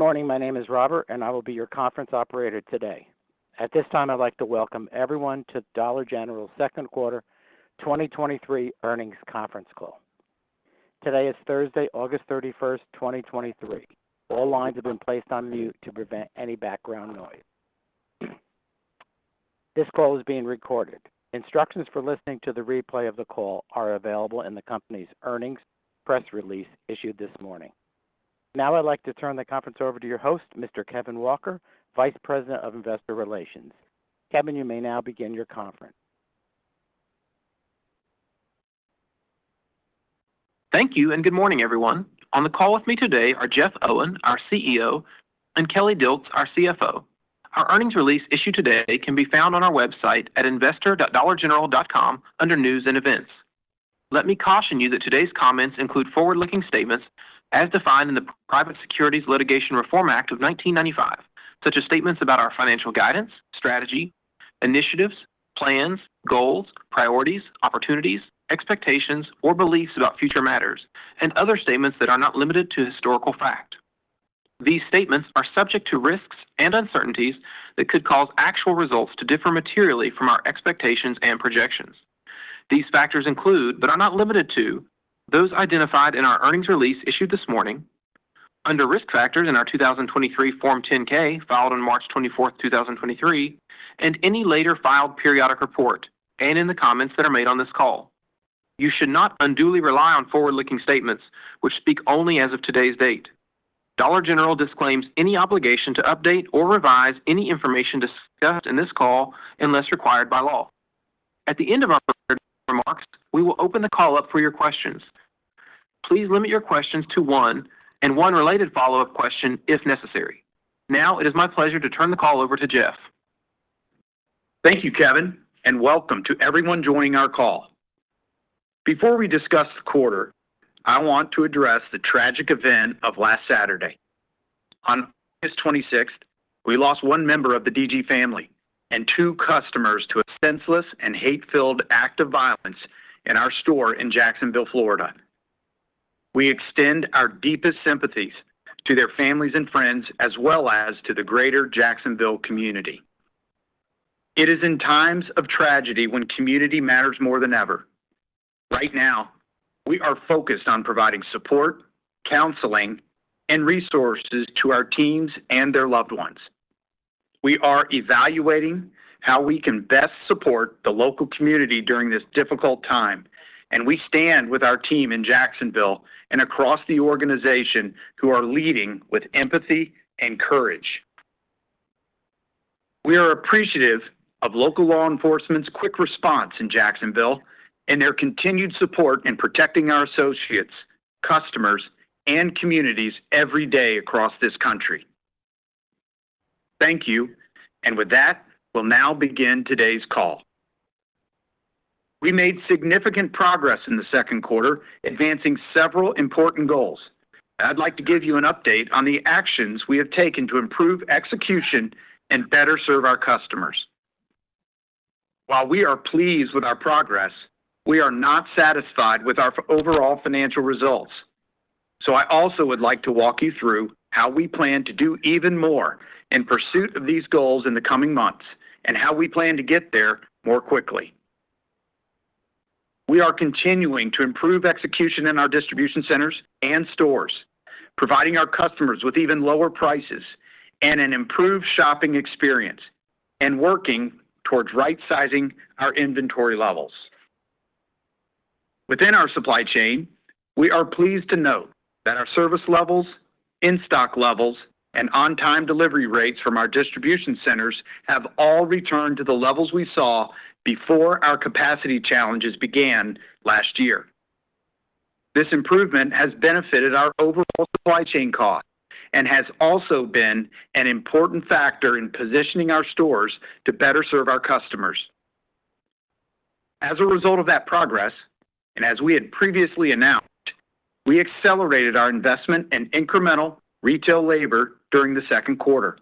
Good morning. My name is Robert, and I will be your conference operator today. At this time, I'd like to welcome everyone to Dollar General's Second Quarter 2023 Earnings Conference Call. Today is Thursday, August 31, 2023. All lines have been placed on mute to prevent any background noise. This call is being recorded. Instructions for listening to the replay of the call are available in the company's earnings press release issued this morning. Now I'd like to turn the conference over to your host, Mr. Kevin Walker, Vice President of Investor Relations. Kevin, you may now begin your conference. Thank you, and good morning, everyone. On the call with me today are Jeff Owen, our CEO, and Kelly Dilts, our CFO. Our earnings release issued today can be found on our website at investor.dollargeneral.com under News and Events. Let me caution you that today's comments include forward-looking statements as defined in the Private Securities Litigation Reform Act of 1995, such as statements about our financial guidance, strategy, initiatives, plans, goals, priorities, opportunities, expectations or beliefs about future matters, and other statements that are not limited to historical fact. These statements are subject to risks and uncertainties that could cause actual results to differ materially from our expectations and projections. These factors include, but are not limited to, those identified in our earnings release issued this morning under Risk Factors in our 2023 Form 10-K, filed on March 24, 2023, and any later filed periodic report, and in the comments that are made on this call. You should not unduly rely on forward-looking statements which speak only as of today's date. Dollar General disclaims any obligation to update or revise any information discussed in this call unless required by law. At the end of our prepared remarks, we will open the call up for your questions. Please limit your questions to one and one related follow-up question if necessary. Now it is my pleasure to turn the call over to Jeff. Thank you, Kevin, and welcome to everyone joining our call. Before we discuss the quarter, I want to address the tragic event of last Saturday. On August 26th, we lost one member of the DG family and two customers to a senseless and hate-filled act of violence in our store in Jacksonville, Florida. We extend our deepest sympathies to their families and friends, as well as to the greater Jacksonville community. It is in times of tragedy when community matters more than ever. Right now, we are focused on providing support, counseling, and resources to our teams and their loved ones. We are evaluating how we can best support the local community during this difficult time, and we stand with our team in Jacksonville and across the organization who are leading with empathy and courage. We are appreciative of local law enforcement's quick response in Jacksonville and their continued support in protecting our associates, customers, and communities every day across this country. Thank you. With that, we'll now begin today's call. We made significant progress in the second quarter, advancing several important goals. I'd like to give you an update on the actions we have taken to improve execution and better serve our customers. While we are pleased with our progress, we are not satisfied with our overall financial results. I also would like to walk you through how we plan to do even more in pursuit of these goals in the coming months and how we plan to get there more quickly. We are continuing to improve execution in our distribution centers and stores, providing our customers with even lower prices and an improved shopping experience, and working towards right-sizing our inventory levels. Within our supply chain, we are pleased to note that our service levels, in-stock levels, and on-time delivery rates from our distribution centers have all returned to the levels we saw before our capacity challenges began last year. This improvement has benefited our overall supply chain costs and has also been an important factor in positioning our stores to better serve our customers. As a result of that progress, and as we had previously announced, we accelerated our investment in incremental retail labor during the second quarter.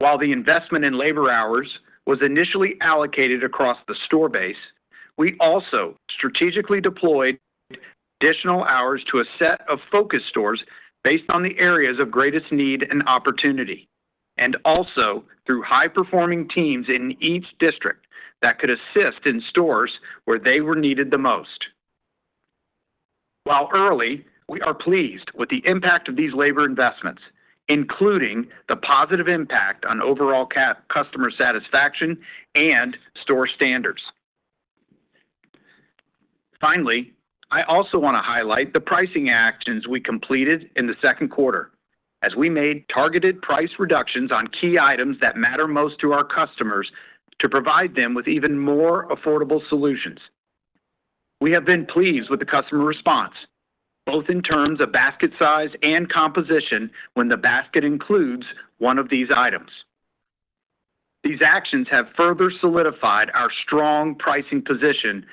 While the investment in labor hours was initially allocated across the store base, we also strategically deployed additional hours to a set of focus stores based on the areas of greatest need and opportunity, and also through high-performing teams in each district that could assist in stores where they were needed the most. While early, we are pleased with the impact of these labor investments, including the positive impact on overall customer satisfaction and store standards. Finally, I also want to highlight the pricing actions we completed in the second quarter as we made targeted price reductions on key items that matter most to our customers to provide them with even more affordable solutions. We have been pleased with the customer response, both in terms of basket size and composition when the basket includes one of these items. These actions have further solidified our strong pricing position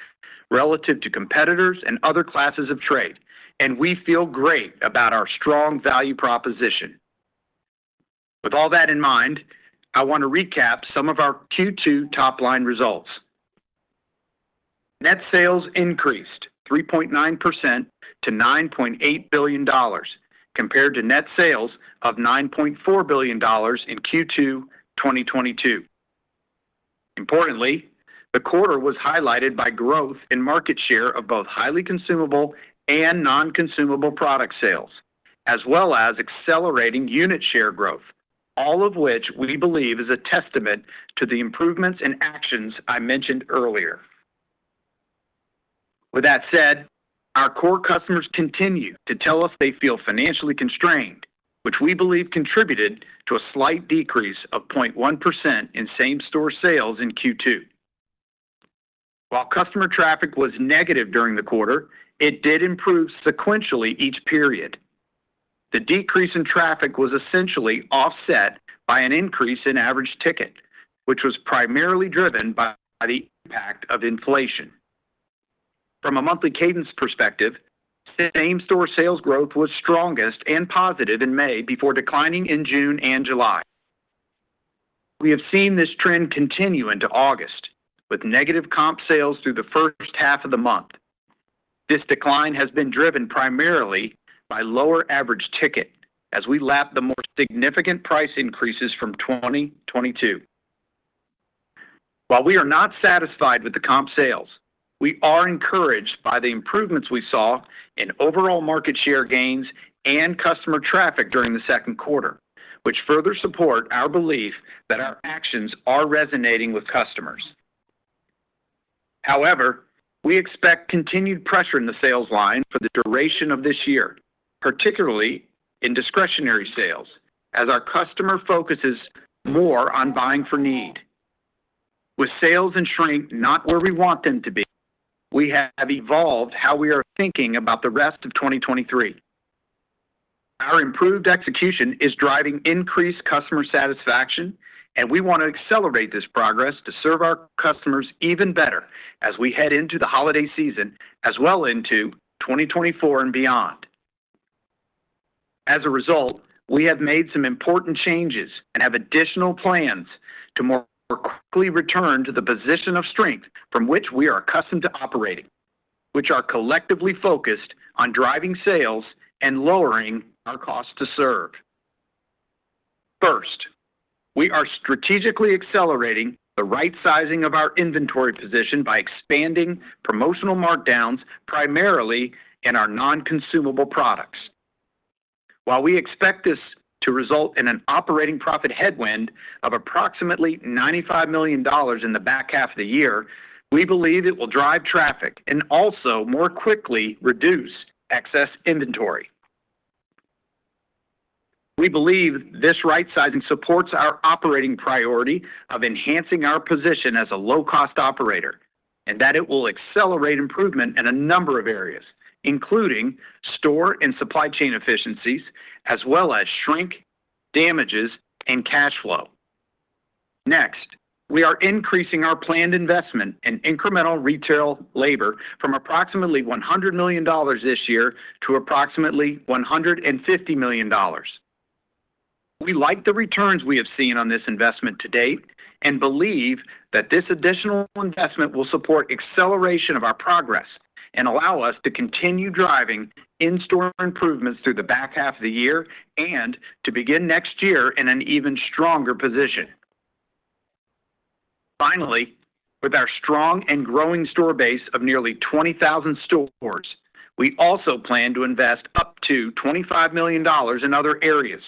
relative to competitors and other classes of trade, and we feel great about our strong value proposition. With all that in mind, I want to recap some of our Q2 top-line results. Net sales increased 3.9% to $9.8 billion, compared to net sales of $9.4 billion in Q2 2022. Importantly, the quarter was highlighted by growth in market share of both highly consumable and non-consumable product sales, as well as accelerating unit share growth, all of which we believe is a testament to the improvements and actions I mentioned earlier. With that said, our core customers continue to tell us they feel financially constrained, which we believe contributed to a slight decrease of 0.1% in same-store sales in Q2. While customer traffic was negative during the quarter, it did improve sequentially each period. The decrease in traffic was essentially offset by an increase in average ticket, which was primarily driven by the impact of inflation. From a monthly cadence perspective, same-store sales growth was strongest and positive in May before declining in June and July. We have seen this trend continue into August, with negative comp sales through the first half of the month. This decline has been driven primarily by lower average ticket as we lap the more significant price increases from 2022. While we are not satisfied with the comp sales, we are encouraged by the improvements we saw in overall market share gains and customer traffic during the second quarter, which further support our belief that our actions are resonating with customers. However, we expect continued pressure in the sales line for the duration of this year, particularly in discretionary sales, as our customer focuses more on buying for need. With sales and shrink not where we want them to be, we have evolved how we are thinking about the rest of 2023. Our improved execution is driving increased customer satisfaction, and we want to accelerate this progress to serve our customers even better as we head into the holiday season, as well into 2024 and beyond. As a result, we have made some important changes and have additional plans to more quickly return to the position of strength from which we are accustomed to operating, which are collectively focused on driving sales and lowering our cost to serve. First, we are strategically accelerating the right sizing of our inventory position by expanding promotional markdowns, primarily in our non-consumable products. While we expect this to result in an operating profit headwind of approximately $95 million in the back half of the year, we believe it will drive traffic and also more quickly reduce excess inventory. We believe this right sizing supports our operating priority of enhancing our position as a low-cost operator, and that it will accelerate improvement in a number of areas, including store and supply chain efficiencies, as well as shrink, damages, and cash flow. Next, we are increasing our planned investment in incremental retail labor from approximately $100 million this year to approximately $150 million. We like the returns we have seen on this investment to date and believe that this additional investment will support acceleration of our progress and allow us to continue driving in-store improvements through the back half of the year and to begin next year in an even stronger position. Finally, with our strong and growing store base of nearly 20,000 stores, we also plan to invest up to $25 million in other areas,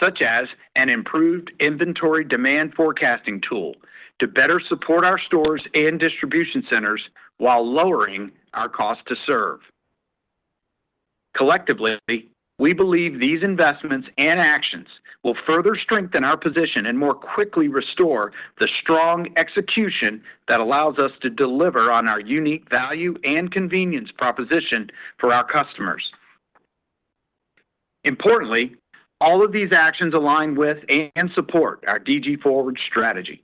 such as an improved inventory demand forecasting tool, to better support our stores and distribution centers while lowering our cost to serve. Collectively, we believe these investments and actions will further strengthen our position and more quickly restore the strong execution that allows us to deliver on our unique value and convenience proposition for our customers. Importantly, all of these actions align with and support our DG Forward strategy.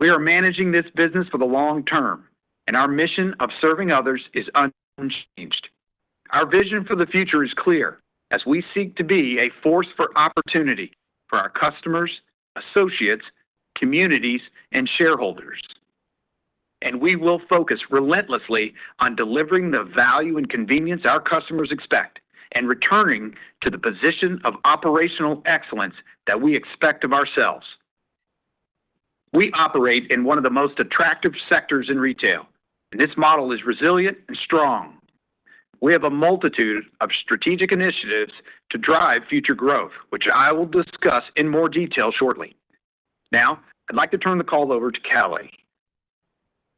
We are managing this business for the long term, and our mission of serving others is unchanged. Our vision for the future is clear as we seek to be a force for opportunity for our customers, associates, communities, and shareholders. We will focus relentlessly on delivering the value and convenience our customers expect and returning to the position of operational excellence that we expect of ourselves. We operate in one of the most attractive sectors in retail, and this model is resilient and strong. We have a multitude of strategic initiatives to drive future growth, which I will discuss in more detail shortly. Now, I'd like to turn the call over to Kelly.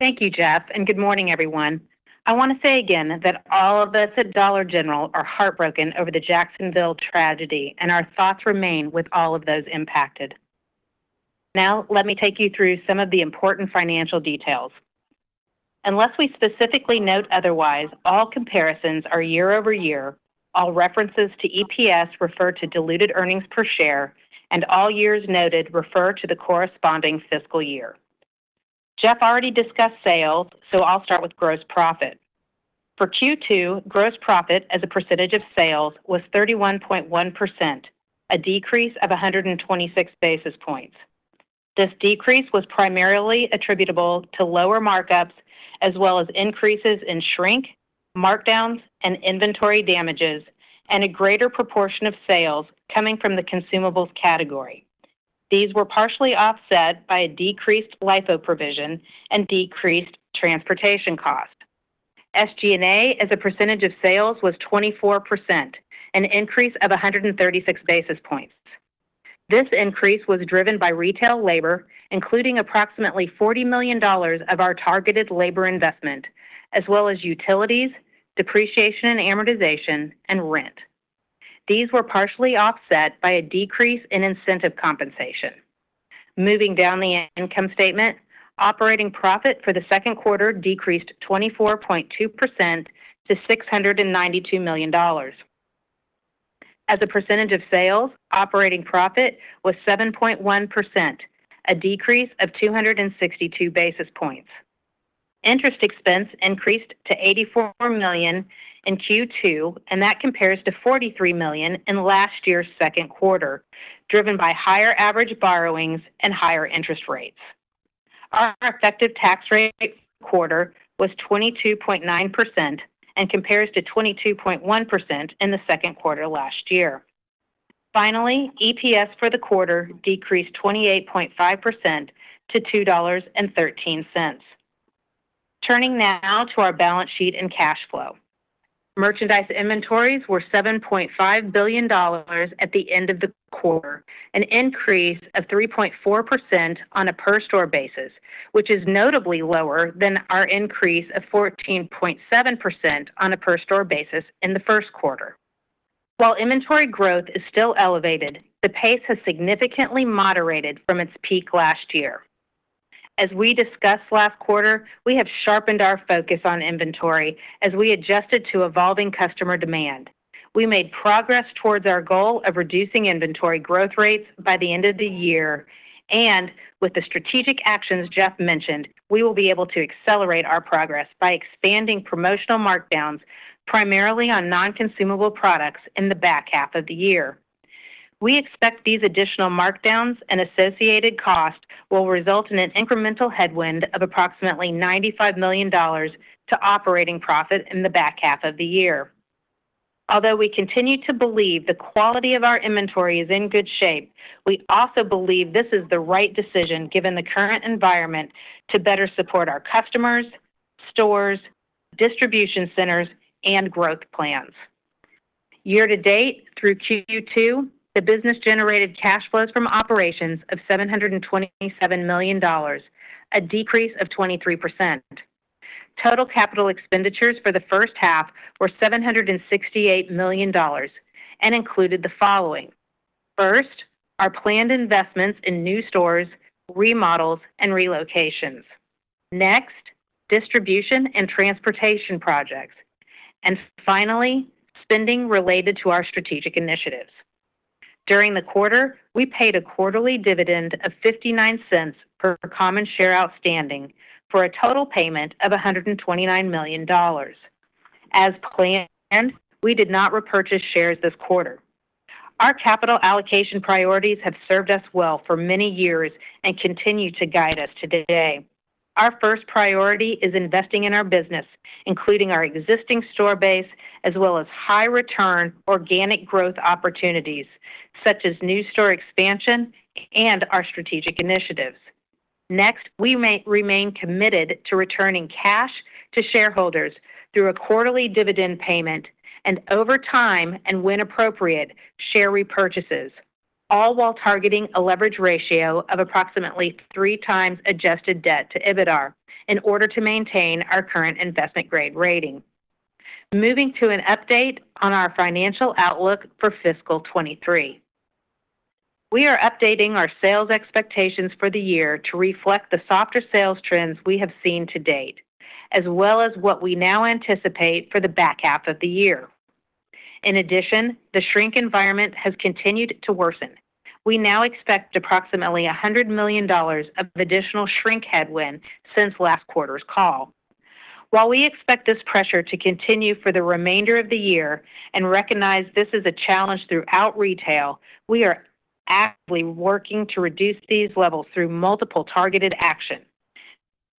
Thank you, Jeff, and good morning, everyone. I want to say again that all of us at Dollar General are heartbroken over the Jacksonville tragedy, and our thoughts remain with all of those impacted. Now, let me take you through some of the important financial details. Unless we specifically note otherwise, all comparisons are year-over-year, all references to EPS refer to diluted earnings per share, and all years noted refer to the corresponding fiscal year. Jeff already discussed sales, so I'll start with gross profit. For Q2, gross profit as a percentage of sales was 31.1%, a decrease of 126 basis points. This decrease was primarily attributable to lower markups as well as increases in shrink, markdowns, and inventory damages, and a greater proportion of sales coming from the consumables category. These were partially offset by a decreased LIFO provision and decreased transportation costs. SG&A, as a percentage of sales, was 24%, an increase of 136 basis points. This increase was driven by retail labor, including approximately $40 million of our targeted labor investment, as well as utilities, depreciation, and amortization, and rent. These were partially offset by a decrease in incentive compensation. Moving down the income statement, operating profit for the second quarter decreased 24.2% to $692 million. As a percentage of sales, operating profit was 7.1%, a decrease of 262 basis points. Interest expense increased to $84 million in Q2, and that compares to $43 million in last year's second quarter, driven by higher average borrowings and higher interest rates. Our effective tax rate quarter was 22.9% and compares to 22.1% in the second quarter last year. Finally, EPS for the quarter decreased 28.5% to $2.13. Turning now to our balance sheet and cash flow. Merchandise inventories were $7.5 billion at the end of the quarter, an increase of 3.4% on a per store basis, which is notably lower than our increase of 14.7% on a per store basis in the first quarter. While inventory growth is still elevated, the pace has significantly moderated from its peak last year. As we discussed last quarter, we have sharpened our focus on inventory as we adjusted to evolving customer demand. We made progress towards our goal of reducing inventory growth rates by the end of the year, and with the strategic actions Jeff mentioned, we will be able to accelerate our progress by expanding promotional markdowns, primarily on non-consumable products in the back half of the year. We expect these additional markdowns and associated costs will result in an incremental headwind of approximately $95 million to operating profit in the back half of the year. Although we continue to believe the quality of our inventory is in good shape, we also believe this is the right decision, given the current environment, to better support our customers, stores, distribution centers, and growth plans. Year to date, through Q2, the business generated cash flows from operations of $727 million, a decrease of 23%. Total capital expenditures for the first half were $768 million and included the following: First, our planned investments in new stores, remodels, and relocations. Next, distribution and transportation projects. And finally, spending related to our strategic initiatives. During the quarter, we paid a quarterly dividend of $0.59 per common share outstanding for a total payment of $129 million. As planned, we did not repurchase shares this quarter. Our capital allocation priorities have served us well for many years and continue to guide us today. Our first priority is investing in our business, including our existing store base, as well as high return organic growth opportunities such as new store expansion and our strategic initiatives. Next, we remain committed to returning cash to shareholders through a quarterly dividend payment and over time, and when appropriate, share repurchases, all while targeting a leverage ratio of approximately three times adjusted debt to EBITDA in order to maintain our current investment grade rating. Moving to an update on our financial outlook for fiscal 2023. We are updating our sales expectations for the year to reflect the softer sales trends we have seen to date, as well as what we now anticipate for the back half of the year. In addition, the shrink environment has continued to worsen. We now expect approximately $100 million of additional shrink headwind since last quarter's call. While we expect this pressure to continue for the remainder of the year and recognize this is a challenge throughout retail, we are actively working to reduce these levels through multiple targeted actions.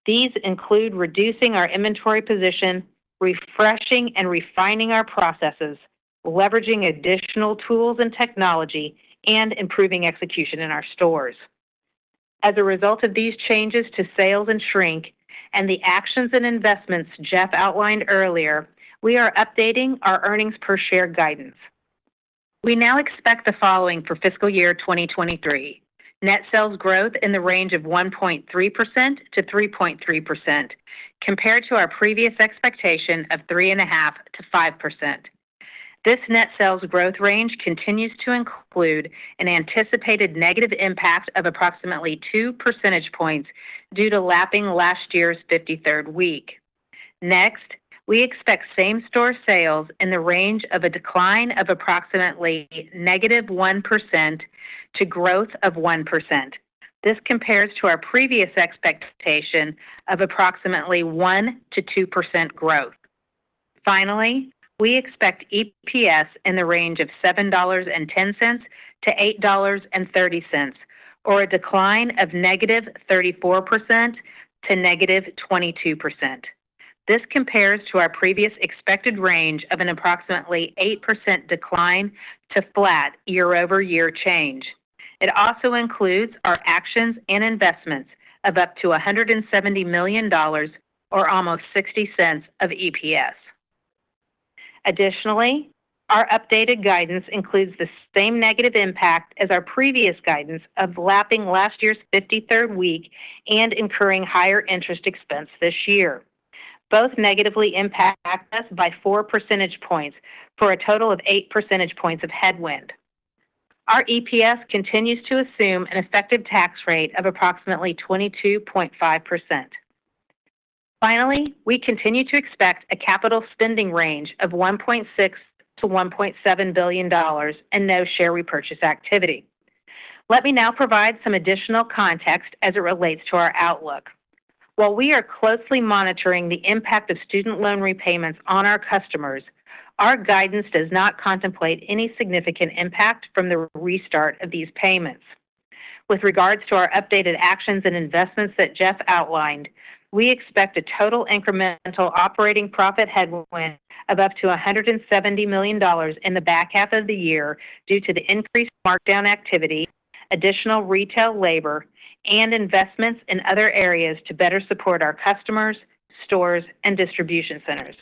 These include reducing our inventory position, refreshing and refining our processes, leveraging additional tools and technology, and improving execution in our stores. As a result of these changes to sales and shrink and the actions and investments Jeff outlined earlier, we are updating our earnings per share guidance. We now expect the following for fiscal year 2023. Net sales growth in the range of 1.3%-3.3%, compared to our previous expectation of 3.5%-5%. This net sales growth range continues to include an anticipated negative impact of approximately 2 percentage points due to lapping last year's 53rd week. Next, we expect same-store sales in the range of a decline of approximately -1% to 1%.... This compares to our previous expectation of approximately 1%-2% growth. Finally, we expect EPS in the range of $7.10-$8.30, or a decline of -34% to -22%. This compares to our previous expected range of an approximately 8% decline to flat year-over-year change. It also includes our actions and investments of up to $170 million, or almost 60 cents of EPS. Additionally, our updated guidance includes the same negative impact as our previous guidance of lapping last year's 53rd week and incurring higher interest expense this year. Both negatively impact us by 4 percentage points for a total of 8 percentage points of headwind. Our EPS continues to assume an effective tax rate of approximately 22.5%. Finally, we continue to expect a capital spending range of $1.6 billion-$1.7 billion and no share repurchase activity. Let me now provide some additional context as it relates to our outlook. While we are closely monitoring the impact of student loan repayments on our customers, our guidance does not contemplate any significant impact from the restart of these payments. With regards to our updated actions and investments that Jeff outlined, we expect a total incremental operating profit headwind of up to $170 million in the back half of the year due to the increased markdown activity, additional retail labor, and investments in other areas to better support our customers, stores, and distribution centers.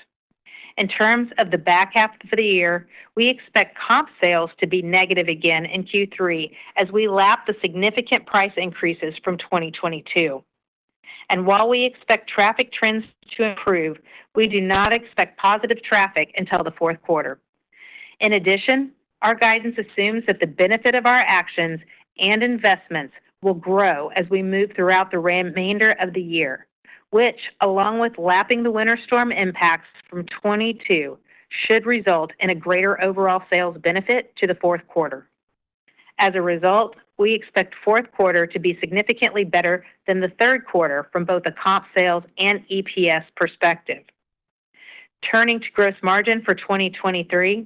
In terms of the back half of the year, we expect comp sales to be negative again in Q3 as we lap the significant price increases from 2022. While we expect traffic trends to improve, we do not expect positive traffic until the fourth quarter. In addition, our guidance assumes that the benefit of our actions and investments will grow as we move throughout the remainder of the year, which, along with lapping the winter storm impacts from 2022, should result in a greater overall sales benefit to the fourth quarter. As a result, we expect fourth quarter to be significantly better than the third quarter from both a comp sales and EPS perspective. Turning to gross margin for 2023,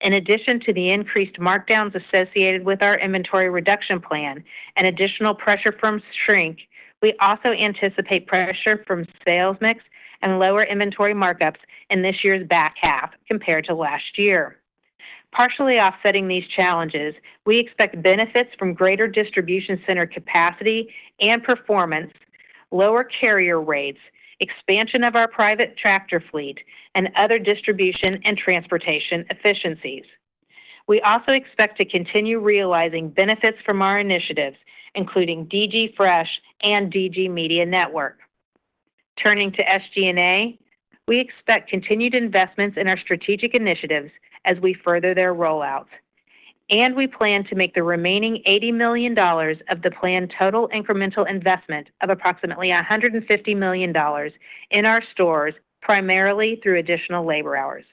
in addition to the increased markdowns associated with our inventory reduction plan and additional pressure from shrink, we also anticipate pressure from sales mix and lower inventory markups in this year's back half compared to last year. Partially offsetting these challenges, we expect benefits from greater distribution center capacity and performance, lower carrier rates, expansion of our private tractor fleet, and other distribution and transportation efficiencies. We also expect to continue realizing benefits from our initiatives, including DG Fresh and DG Media Network. Turning to SG&A, we expect continued investments in our strategic initiatives as we further their rollouts, and we plan to make the remaining $80 million of the planned total incremental investment of approximately $150 million in our stores, primarily through additional labor hours.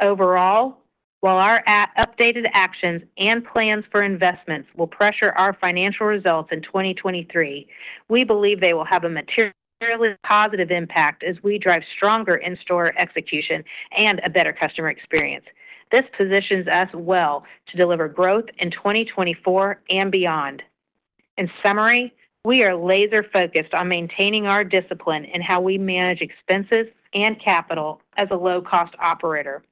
Overall, while our updated actions and plans for investments will pressure our financial results in 2023, we believe they will have a materially positive impact as we drive stronger in-store execution and a better customer experience. This positions us well to deliver growth in 2024 and beyond. In summary, we are laser-focused on maintaining our discipline in how we manage expenses and capital as a low-cost operator,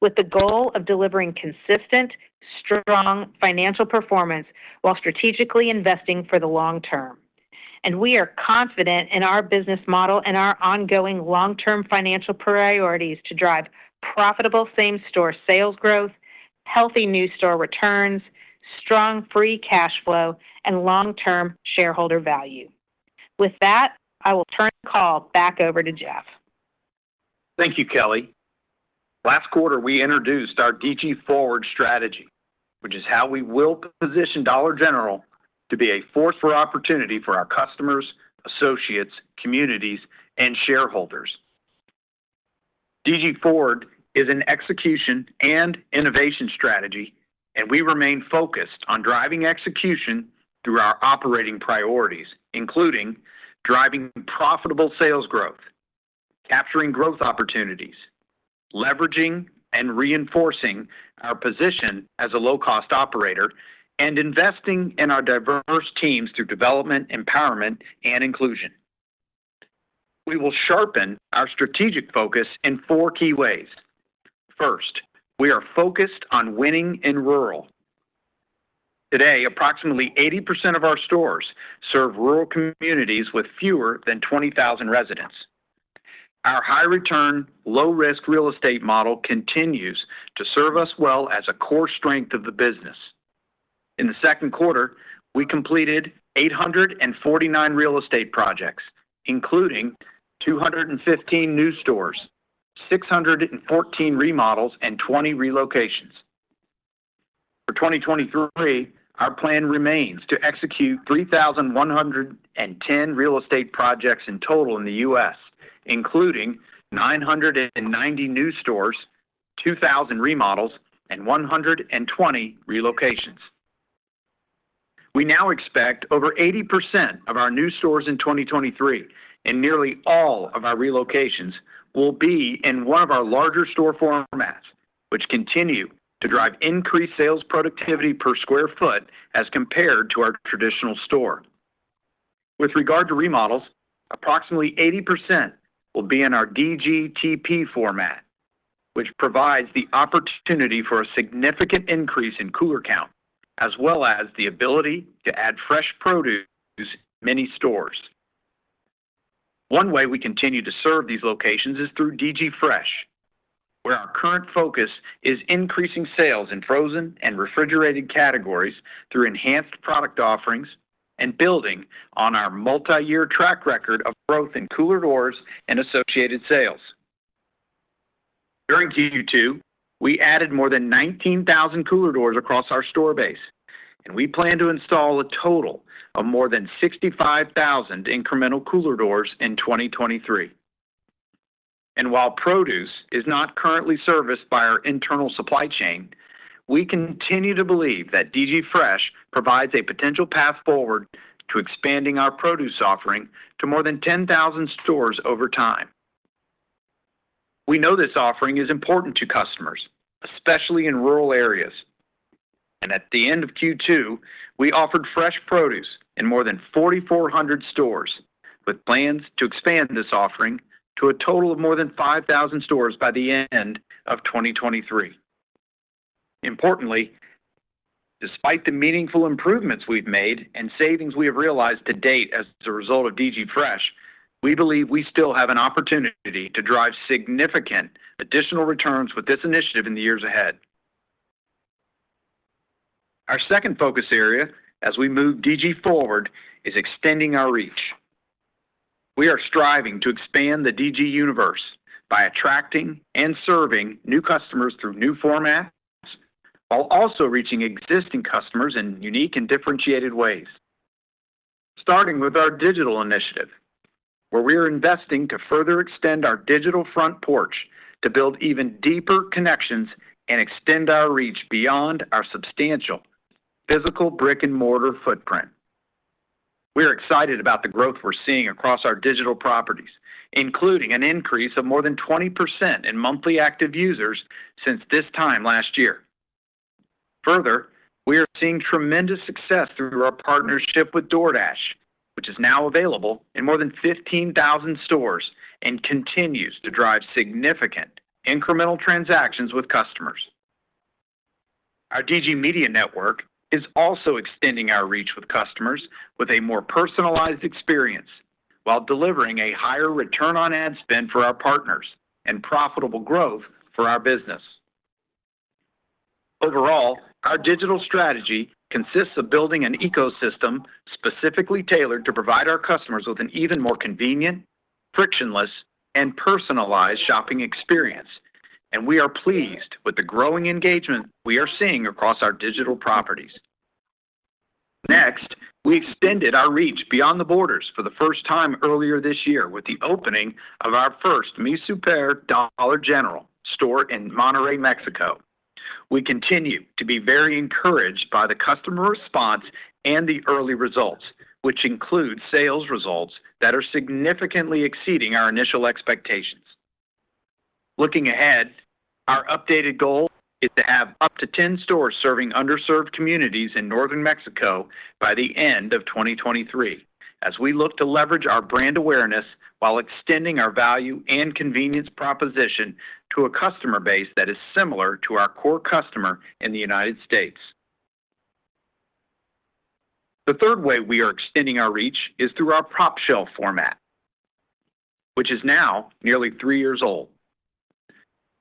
with the goal of delivering consistent, strong financial performance while strategically investing for the long term. We are confident in our business model and our ongoing long-term financial priorities to drive profitable same-store sales growth, healthy new store returns, strong free cash flow, and long-term shareholder value. With that, I will turn the call back over to Jeff. Thank you, Kelly. Last quarter, we introduced our DG Forward strategy, which is how we will position Dollar General to be a force for opportunity for our customers, associates, communities, and shareholders. DG Forward is an execution and innovation strategy, and we remain focused on driving execution through our operating priorities, including driving profitable sales growth, capturing growth opportunities, leveraging and reinforcing our position as a low-cost operator, and investing in our diverse teams through development, empowerment, and inclusion. We will sharpen our strategic focus in four key ways. First, we are focused on winning in rural. Today, approximately 80% of our stores serve rural communities with fewer than 20,000 residents. Our high-return, low-risk real estate model continues to serve us well as a core strength of the business. In the second quarter, we completed 849 real estate projects, including 215 new stores, 614 remodels, and 20 relocations. For 2023, our plan remains to execute 3,110 real estate projects in total in the U.S., including 990 new stores, 2,000 remodels, and 120 relocations. We now expect over 80% of our new stores in 2023, and nearly all of our relocations will be in one of our larger store formats, which continue to drive increased sales productivity per square foot as compared to our traditional store. With regard to remodels, approximately 80% will be in our DGTP format, which provides the opportunity for a significant increase in cooler count, as well as the ability to add fresh produce in many stores. One way we continue to serve these locations is through DG Fresh, where our current focus is increasing sales in frozen and refrigerated categories through enhanced product offerings and building on our multi-year track record of growth in cooler doors and associated sales. During Q2, we added more than 19,000 cooler doors across our store base, and we plan to install a total of more than 65,000 incremental cooler doors in 2023. While produce is not currently serviced by our internal supply chain, we continue to believe that DG Fresh provides a potential path forward to expanding our produce offering to more than 10,000 stores over time. We know this offering is important to customers, especially in rural areas, and at the end of Q2, we offered fresh produce in more than 4,400 stores, with plans to expand this offering to a total of more than 5,000 stores by the end of 2023. Importantly, despite the meaningful improvements we've made and savings we have realized to date as a result of DG Fresh, we believe we still have an opportunity to drive significant additional returns with this initiative in the years ahead. Our second focus area as we move DG forward, is extending our reach. We are striving to expand the DG universe by attracting and serving new customers through new formats, while also reaching existing customers in unique and differentiated ways. Starting with our digital initiative, where we are investing to further extend our digital front porch to build even deeper connections and extend our reach beyond our substantial physical brick-and-mortar footprint. We're excited about the growth we're seeing across our digital properties, including an increase of more than 20% in monthly active users since this time last year. Further, we are seeing tremendous success through our partnership with DoorDash, which is now available in more than 15,000 stores and continues to drive significant incremental transactions with customers. Our DG Media Network is also extending our reach with customers with a more personalized experience, while delivering a higher return on ad spend for our partners and profitable growth for our business. Overall, our digital strategy consists of building an ecosystem specifically tailored to provide our customers with an even more convenient, frictionless, and personalized shopping experience, and we are pleased with the growing engagement we are seeing across our digital properties. Next, we extended our reach beyond the borders for the first time earlier this year with the opening of our first Mi Súper Dollar General store in Monterrey, Mexico. We continue to be very encouraged by the customer response and the early results, which include sales results that are significantly exceeding our initial expectations. Looking ahead, our updated goal is to have up to 10 stores serving underserved communities in northern Mexico by the end of 2023, as we look to leverage our brand awareness while extending our value and convenience proposition to a customer base that is similar to our core customer in the United States. The third way we are extending our reach is through our pOpshelf format, which is now nearly three years old.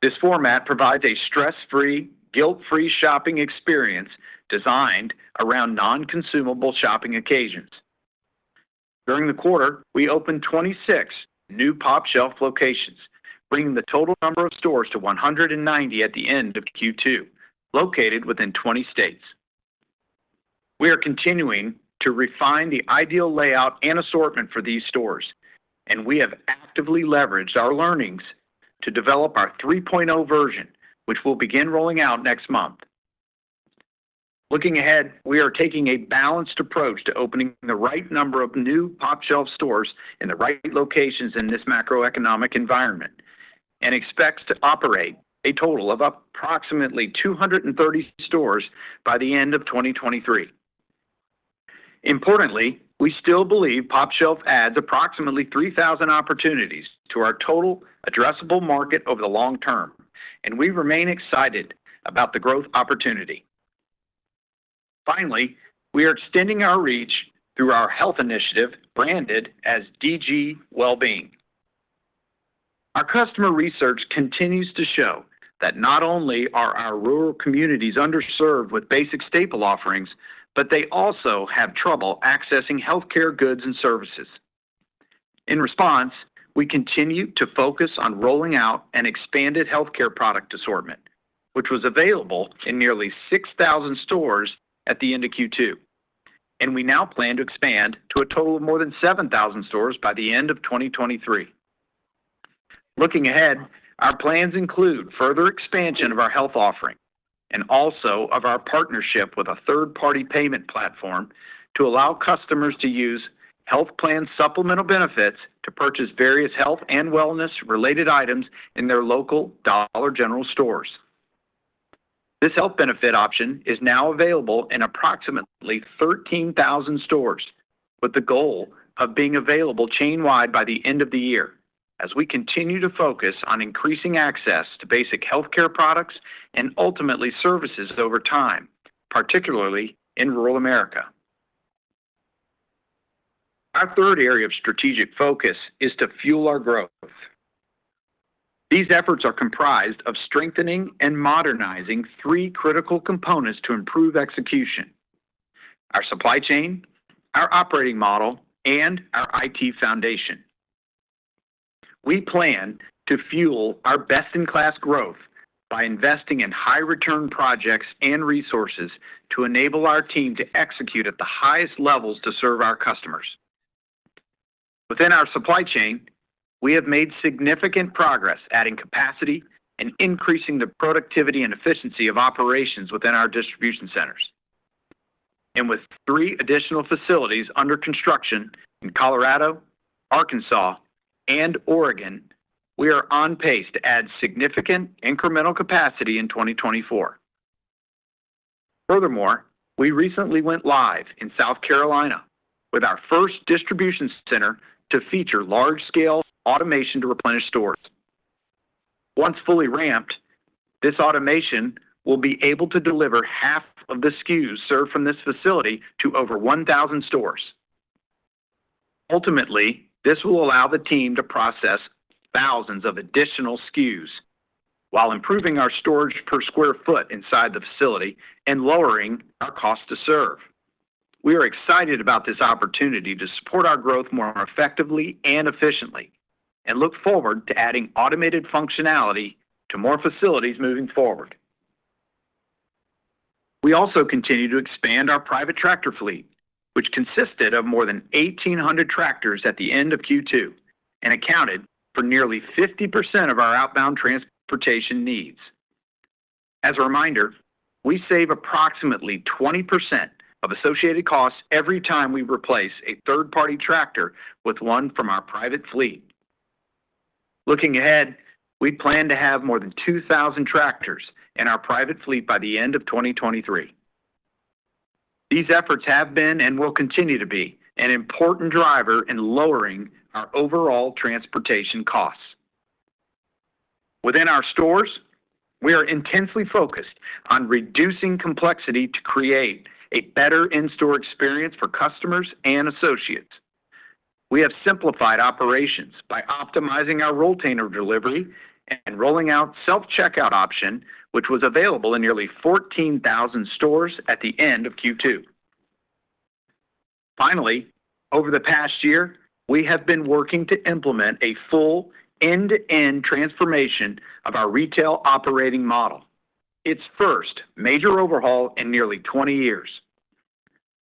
This format provides a stress-free, guilt-free shopping experience designed around non-consumable shopping occasions. During the quarter, we opened 26 new pOpshelf locations, bringing the total number of stores to 190 at the end of Q2, located within 20 states. We are continuing to refine the ideal layout and assortment for these stores, and we have actively leveraged our learnings to develop our 3.0 version, which will begin rolling out next month. Looking ahead, we are taking a balanced approach to opening the right number of new pOpshelf stores in the right locations in this macroeconomic environment, and expects to operate a total of approximately 230 stores by the end of 2023. Importantly, we still believe pOpshelf adds approximately 3,000 opportunities to our total addressable market over the long term, and we remain excited about the growth opportunity. Finally, we are extending our reach through our health initiative, branded as DG Wellbeing. Our customer research continues to show that not only are our rural communities underserved with basic staple offerings, but they also have trouble accessing healthcare goods and services. In response, we continue to focus on rolling out an expanded healthcare product assortment, which was available in nearly 6,000 stores at the end of Q2, and we now plan to expand to a total of more than 7,000 stores by the end of 2023. Looking ahead, our plans include further expansion of our health offering and also of our partnership with a third-party payment platform to allow customers to use health plan supplemental benefits to purchase various health and wellness-related items in their local Dollar General stores. This health benefit option is now available in approximately 13,000 stores, with the goal of being available chain-wide by the end of the year, as we continue to focus on increasing access to basic healthcare products and ultimately services over time, particularly in rural America. Our third area of strategic focus is to fuel our growth. These efforts are comprised of strengthening and modernizing three critical components to improve execution: our supply chain, our operating model, and our IT foundation. We plan to fuel our best-in-class growth by investing in high-return projects and resources to enable our team to execute at the highest levels to serve our customers. Within our supply chain, we have made significant progress, adding capacity and increasing the productivity and efficiency of operations within our distribution centers. With 3 additional facilities under construction in Colorado, Arkansas, and Oregon, we are on pace to add significant incremental capacity in 2024. Furthermore, we recently went live in South Carolina with our first distribution center to feature large-scale automation to replenish stores. Once fully ramped, this automation will be able to deliver half of the SKUs served from this facility to over 1,000 stores. Ultimately, this will allow the team to process thousands of additional SKUs while improving our storage per sq ft inside the facility and lowering our cost to serve. We are excited about this opportunity to support our growth more effectively and efficiently and look forward to adding automated functionality to more facilities moving forward. We also continue to expand our private tractor fleet, which consisted of more than 1,800 tractors at the end of Q2 and accounted for nearly 50% of our outbound transportation needs. As a reminder, we save approximately 20% of associated costs every time we replace a third-party tractor with one from our private fleet. Looking ahead, we plan to have more than 2,000 tractors in our private fleet by the end of 2023. These efforts have been, and will continue to be, an important driver in lowering our overall transportation costs. Within our stores, we are intensely focused on reducing complexity to create a better in-store experience for customers and associates. We have simplified operations by optimizing our Rotainer delivery and rolling out self-checkout option, which was available in nearly 14,000 stores at the end of Q2. Finally, over the past year, we have been working to implement a full end-to-end transformation of our retail operating model, its first major overhaul in nearly 20 years.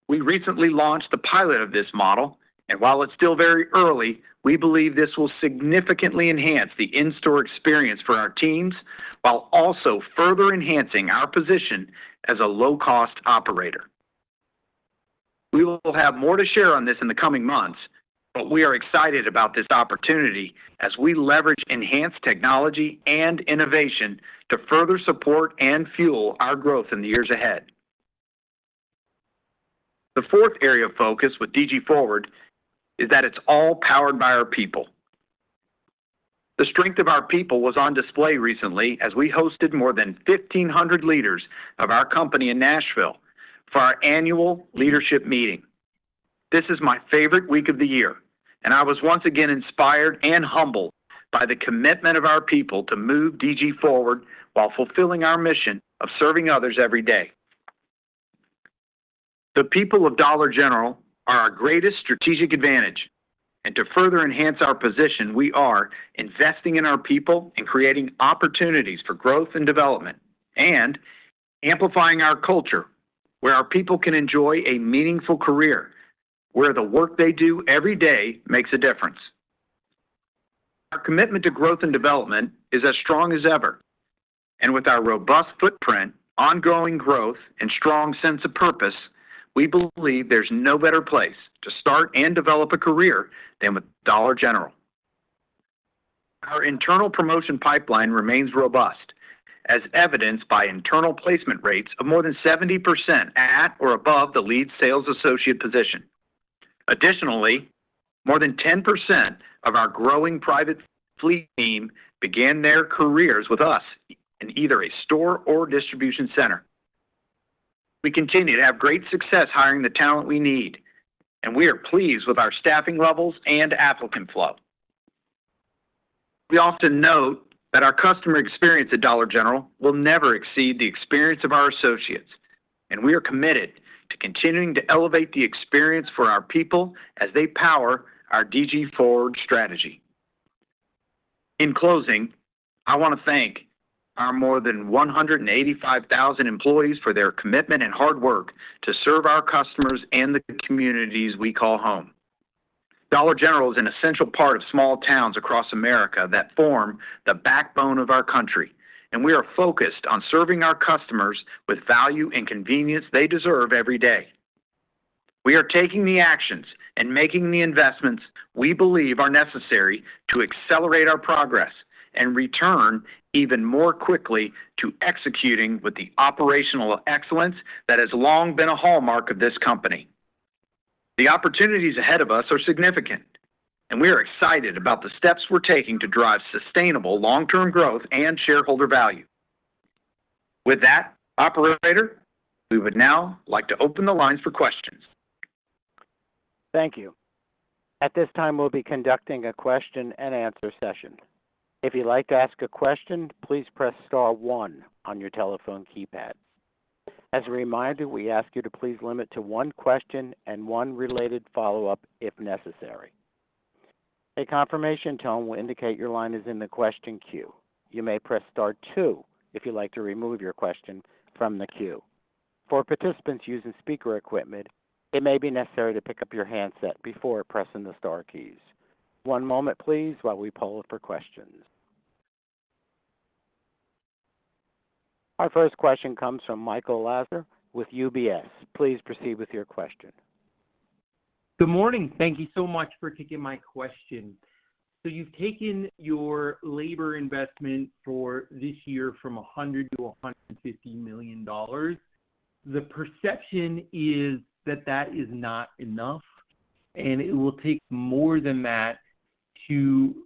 We recently launched the pilot of this model, and while it's still very early, we believe this will significantly enhance the in-store experience for our teams, while also further enhancing our position as a low-cost operator. We will have more to share on this in the coming months, but we are excited about this opportunity as we leverage enhanced technology and innovation to further support and fuel our growth in the years ahead. The fourth area of focus with DG Forward is that it's all powered by our people. The strength of our people was on display recently as we hosted more than 1,500 leaders of our company in Nashville for our annual leadership meeting. This is my favorite week of the year, and I was once again inspired and humbled by the commitment of our people to move DG forward while fulfilling our mission of serving others every day. The people of Dollar General are our greatest strategic advantage, and to further enhance our position, we are investing in our people and creating opportunities for growth and development and amplifying our culture, where our people can enjoy a meaningful career, where the work they do every day makes a difference. Our commitment to growth and development is as strong as ever, and with our robust footprint, ongoing growth, and strong sense of purpose, we believe there's no better place to start and develop a career than with Dollar General. Our internal promotion pipeline remains robust, as evidenced by internal placement rates of more than 70% at or above the lead sales associate position. Additionally, more than 10% of our growing private fleet team began their careers with us in either a store or distribution center. We continue to have great success hiring the talent we need, and we are pleased with our staffing levels and applicant flow. We often note that our customer experience at Dollar General will never exceed the experience of our associates, and we are committed to continuing to elevate the experience for our people as they power our DG Forward strategy.... In closing, I want to thank our more than 185,000 employees for their commitment and hard work to serve our customers and the communities we call home. Dollar General is an essential part of small towns across America that form the backbone of our country, and we are focused on serving our customers with value and convenience they deserve every day. We are taking the actions and making the investments we believe are necessary to accelerate our progress and return even more quickly to executing with the operational excellence that has long been a hallmark of this company. The opportunities ahead of us are significant, and we are excited about the steps we're taking to drive sustainable long-term growth and shareholder value. With that, operator, we would now like to open the lines for questions. Thank you. At this time, we'll be conducting a question and answer session. If you'd like to ask a question, please press star one on your telephone keypad. As a reminder, we ask you to please limit to one question and one related follow-up, if necessary. A confirmation tone will indicate your line is in the question queue. You may press star two if you'd like to remove your question from the queue. For participants using speaker equipment, it may be necessary to pick up your handset before pressing the star keys. One moment, please, while we poll for questions. Our first question comes from Michael Lasser with UBS. Please proceed with your question. Good morning. Thank you so much for taking my question. So you've taken your labor investment for this year from $100 million to $150 million. The perception is that that is not enough, and it will take more than that to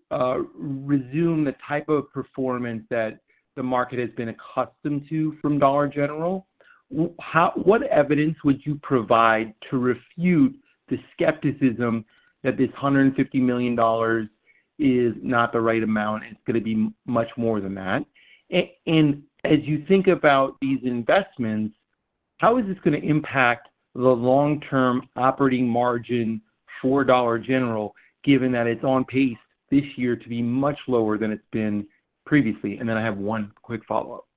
resume the type of performance that the market has been accustomed to from Dollar General. What evidence would you provide to refute the skepticism that this $150 million is not the right amount, and it's going to be much more than that? And as you think about these investments, how is this going to impact the long-term operating margin for Dollar General, given that it's on pace this year to be much lower than it's been previously? And then I have one quick follow-up.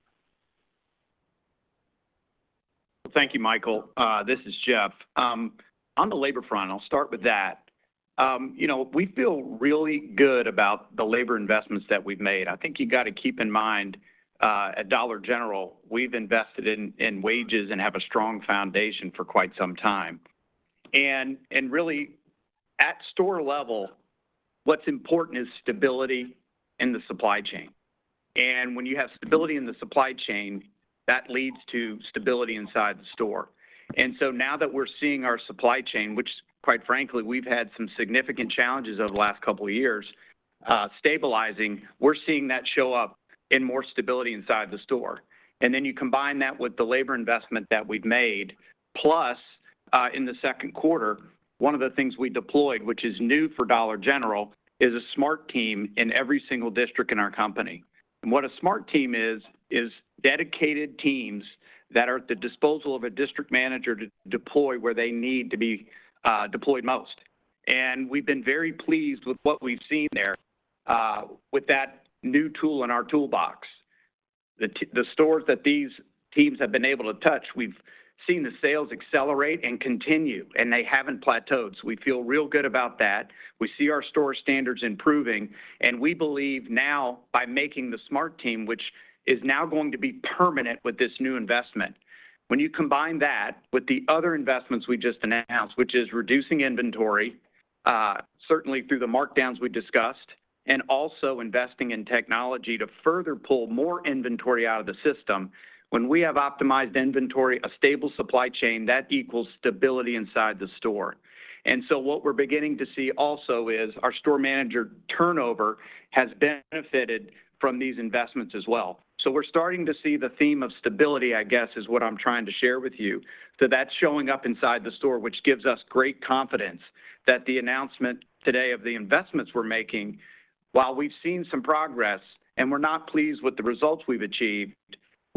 Thank you, Michael. This is Jeff. On the labor front, I'll start with that. You know, we feel really good about the labor investments that we've made. I think you've got to keep in mind, at Dollar General, we've invested in wages and have a strong foundation for quite some time. And really, at store level, what's important is stability in the supply chain. And when you have stability in the supply chain, that leads to stability inside the store. And so now that we're seeing our supply chain, which, quite frankly, we've had some significant challenges over the last couple of years, stabilizing, we're seeing that show up in more stability inside the store. And then you combine that with the labor investment that we've made, plus, in the second quarter, one of the things we deployed, which is new for Dollar General, is a smart team in every single district in our company. And what a smart team is, is dedicated teams that are at the disposal of a district manager to deploy where they need to be, deployed most. And we've been very pleased with what we've seen there, with that new tool in our toolbox. The stores that these teams have been able to touch, we've seen the sales accelerate and continue, and they haven't plateaued. So we feel real good about that. We see our store standards improving, and we believe now by making the smart team, which is now going to be permanent with this new investment. When you combine that with the other investments we just announced, which is reducing inventory, certainly through the markdowns we discussed, and also investing in technology to further pull more inventory out of the system. When we have optimized inventory, a stable supply chain, that equals stability inside the store. And so what we're beginning to see also is our store manager turnover has benefited from these investments as well. So we're starting to see the theme of stability, I guess, is what I'm trying to share with you. So that's showing up inside the store, which gives us great confidence that the announcement today of the investments we're making, while we've seen some progress and we're not pleased with the results we've achieved,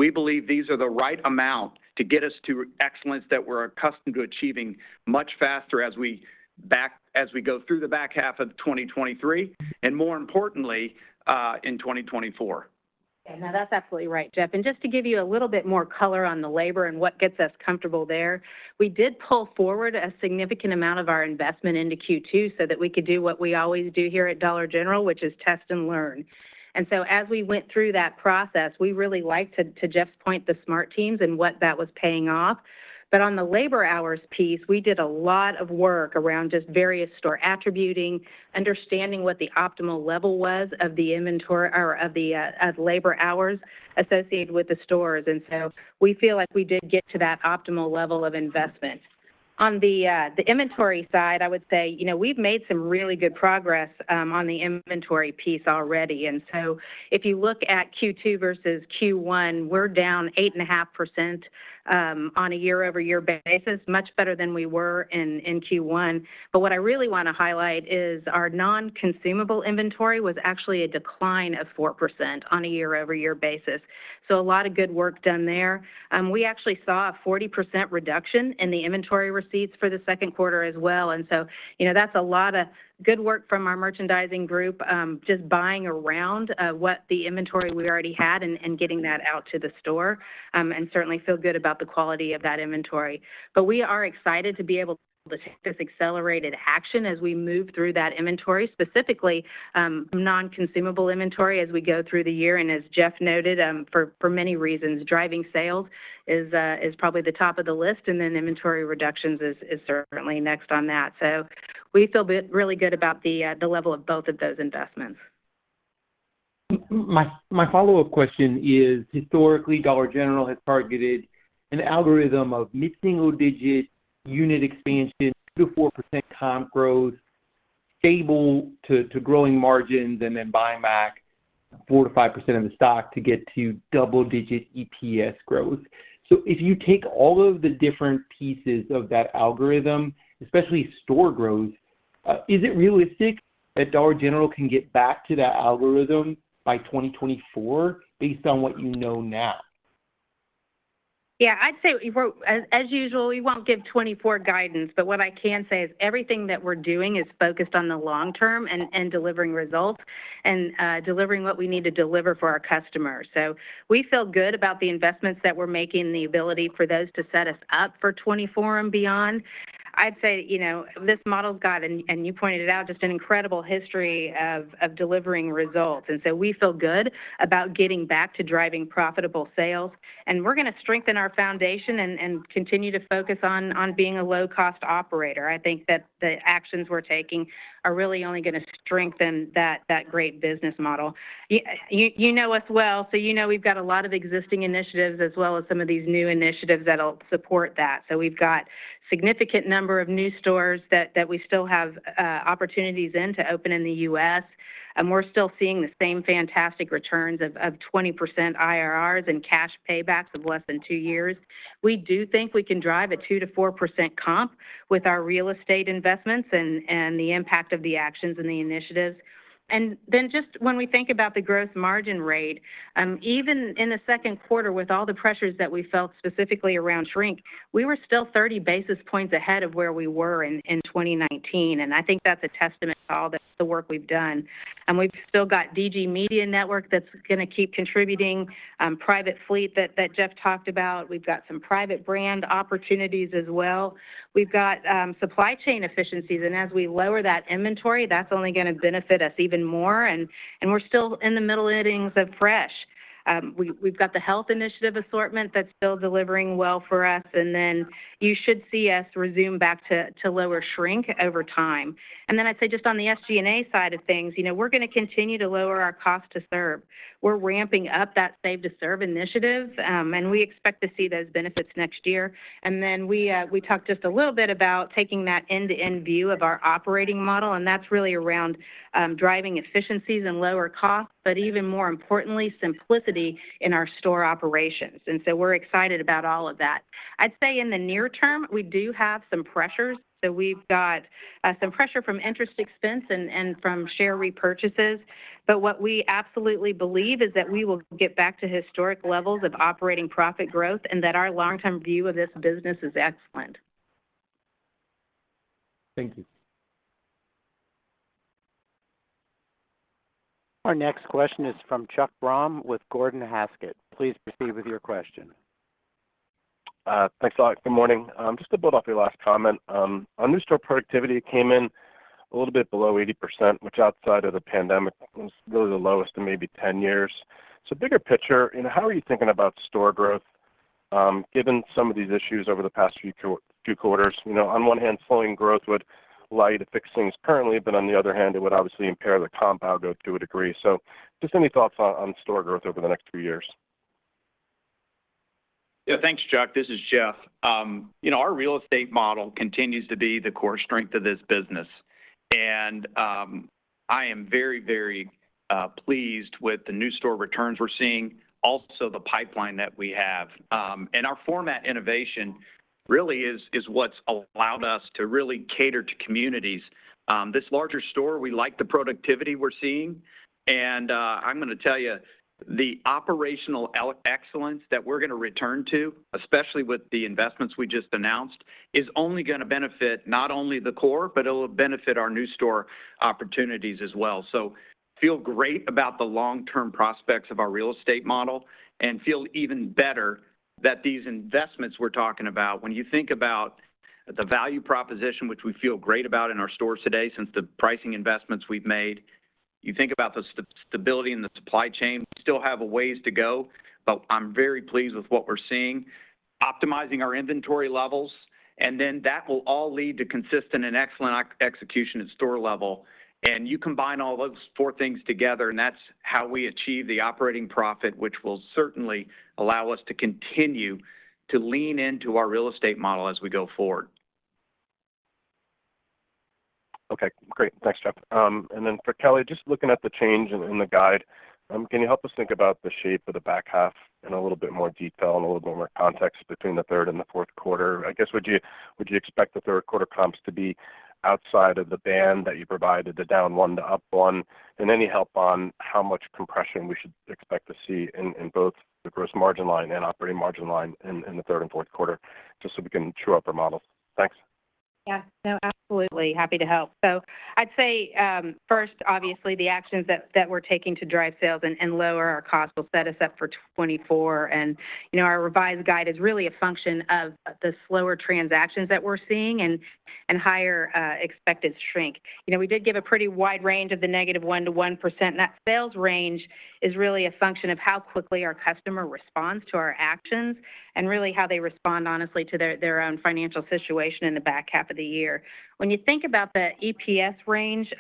we believe these are the right amount to get us to excellence that we're accustomed to achieving much faster as we go through the back half of 2023, and more importantly, in 2024. Yeah, that's absolutely right, Jeff. And just to give you a little bit more color on the labor and what gets us comfortable there, we did pull forward a significant amount of our investment into Q2 so that we could do what we always do here at Dollar General, which is test and learn. And so as we went through that process, we really liked to, to Jeff's point, the Smart Teams and what that was paying off. But on the labor hours piece, we did a lot of work around just various store attributes, understanding what the optimal level was of the inventory or of the, of labor hours associated with the stores. And so we feel like we did get to that optimal level of investment. On the inventory side, I would say, you know, we've made some really good progress on the inventory piece already. And so if you look at Q2 versus Q1, we're down 8.5% on a year-over-year basis, much better than we were in Q1. But what I really want to highlight is our non-consumable inventory was actually a decline of 4% on a year-over-year basis. So a lot of good work done there. We actually saw a 40% reduction in the inventory receipts for the second quarter as well. And so, you know, that's a lot of good work from our merchandising group just buying around what the inventory we already had and getting that out to the store. And certainly feel good about the quality of that inventory. But we are excited to be able to take this accelerated action as we move through that inventory, specifically, non-consumable inventory as we go through the year, and as Jeff noted, for many reasons, driving sales is probably the top of the list, and then inventory reductions is certainly next on that. So we feel really good about the level of both of those investments. My, my follow-up question is, historically, Dollar General has targeted an algorithm of mid-single digit unit expansion, 2%-4% comp growth, stable to growing margins, and then buying back 4%-5% of the stock to get to double-digit EPS growth. So if you take all of the different pieces of that algorithm, especially store growth, is it realistic that Dollar General can get back to that algorithm by 2024 based on what you know now? Yeah, I'd say we're as, as usual, we won't give 2024 guidance, but what I can say is everything that we're doing is focused on the long term and, and delivering results and, delivering what we need to deliver for our customers. So we feel good about the investments that we're making, the ability for those to set us up for 2024 and beyond. I'd say, you know, this model's got, and, and you pointed it out, just an incredible history of, of delivering results. And so we feel good about getting back to driving profitable sales, and we're gonna strengthen our foundation and, and continue to focus on, on being a low-cost operator. I think that the actions we're taking are really only gonna strengthen that, that great business model. You know us well, so you know we've got a lot of existing initiatives as well as some of these new initiatives that'll support that. So we've got significant number of new stores that we still have opportunities in to open in the U.S., and we're still seeing the same fantastic returns of 20% IRRs and cash paybacks of less than 2 years. We do think we can drive a 2%-4% comp with our real estate investments and the impact of the actions and the initiatives. And then just when we think about the gross margin rate, even in the second quarter, with all the pressures that we felt specifically around shrink, we were still 30 basis points ahead of where we were in 2019, and I think that's a testament to all the work we've done. And we've still got DG Media Network that's gonna keep contributing, private fleet that Jeff talked about. We've got some private brand opportunities as well. We've got supply chain efficiencies, and as we lower that inventory, that's only gonna benefit us even more. And we're still in the middle innings of fresh. We've got the health initiative assortment that's still delivering well for us, and then you should see us resume back to lower shrink over time. And then I'd say just on the SG&A side of things, you know, we're gonna continue to lower our cost to serve. We're ramping up that Save to Serve initiative, and we expect to see those benefits next year. And then we talked just a little bit about taking that end-to-end view of our operating model, and that's really around driving efficiencies and lower costs, but even more importantly, simplicity in our store operations. And so we're excited about all of that. I'd say in the near term, we do have some pressures. So we've got some pressure from interest expense and from share repurchases. But what we absolutely believe is that we will get back to historic levels of operating profit growth and that our long-term view of this business is excellent. Thank you. Our next question is from Chuck Grom with Gordon Haskett. Please proceed with your question. Thanks a lot. Good morning. Just to build off your last comment, on new store productivity, it came in a little bit below 80%, which outside of the pandemic, was really the lowest in maybe 10 years. So bigger picture, you know, how are you thinking about store growth, given some of these issues over the past few quarters? You know, on one hand, slowing growth would allow you to fix things currently, but on the other hand, it would obviously impair the compound growth to a degree. So just any thoughts on, on store growth over the next few years? Yeah. Thanks, Chuck. This is Jeff. You know, our real estate model continues to be the core strength of this business, and, I am very, very, pleased with the new store returns we're seeing, also the pipeline that we have. And our format innovation really is what's allowed us to really cater to communities. This larger store, we like the productivity we're seeing, and, I'm gonna tell you, the operational excellence that we're gonna return to, especially with the investments we just announced, is only gonna benefit not only the core, but it will benefit our new store opportunities as well. So feel great about the long-term prospects of our real estate model and feel even better that these investments we're talking about, when you think about the value proposition, which we feel great about in our stores today, since the pricing investments we've made, you think about the stability in the supply chain. We still have a ways to go, but I'm very pleased with what we're seeing. Optimizing our inventory levels, and then that will all lead to consistent and excellent execution at store level. And you combine all those four things together, and that's how we achieve the operating profit, which will certainly allow us to continue to lean into our real estate model as we go forward.... Okay, great. Thanks, Jeff. And then for Kelly, just looking at the change in the guide, can you help us think about the shape of the back half in a little bit more detail and a little bit more context between the third and the fourth quarter? I guess, would you expect the third quarter comps to be outside of the band that you provided, the down 1% to up 1%? And any help on how much compression we should expect to see in both the gross margin line and operating margin line in the third and fourth quarter, just so we can true up our models? Thanks. Yeah. No, absolutely. Happy to help. So I'd say, first, obviously, the actions that, that we're taking to drive sales and, and lower our costs will set us up for 2024. And, you know, our revised guide is really a function of the slower transactions that we're seeing and, and higher, expected shrink. You know, we did give a pretty wide range of the -1% to 1%, and that sales range is really a function of how quickly our customer responds to our actions and really how they respond honestly to their, their own financial situation in the back half of the year. When you think about the EPS range,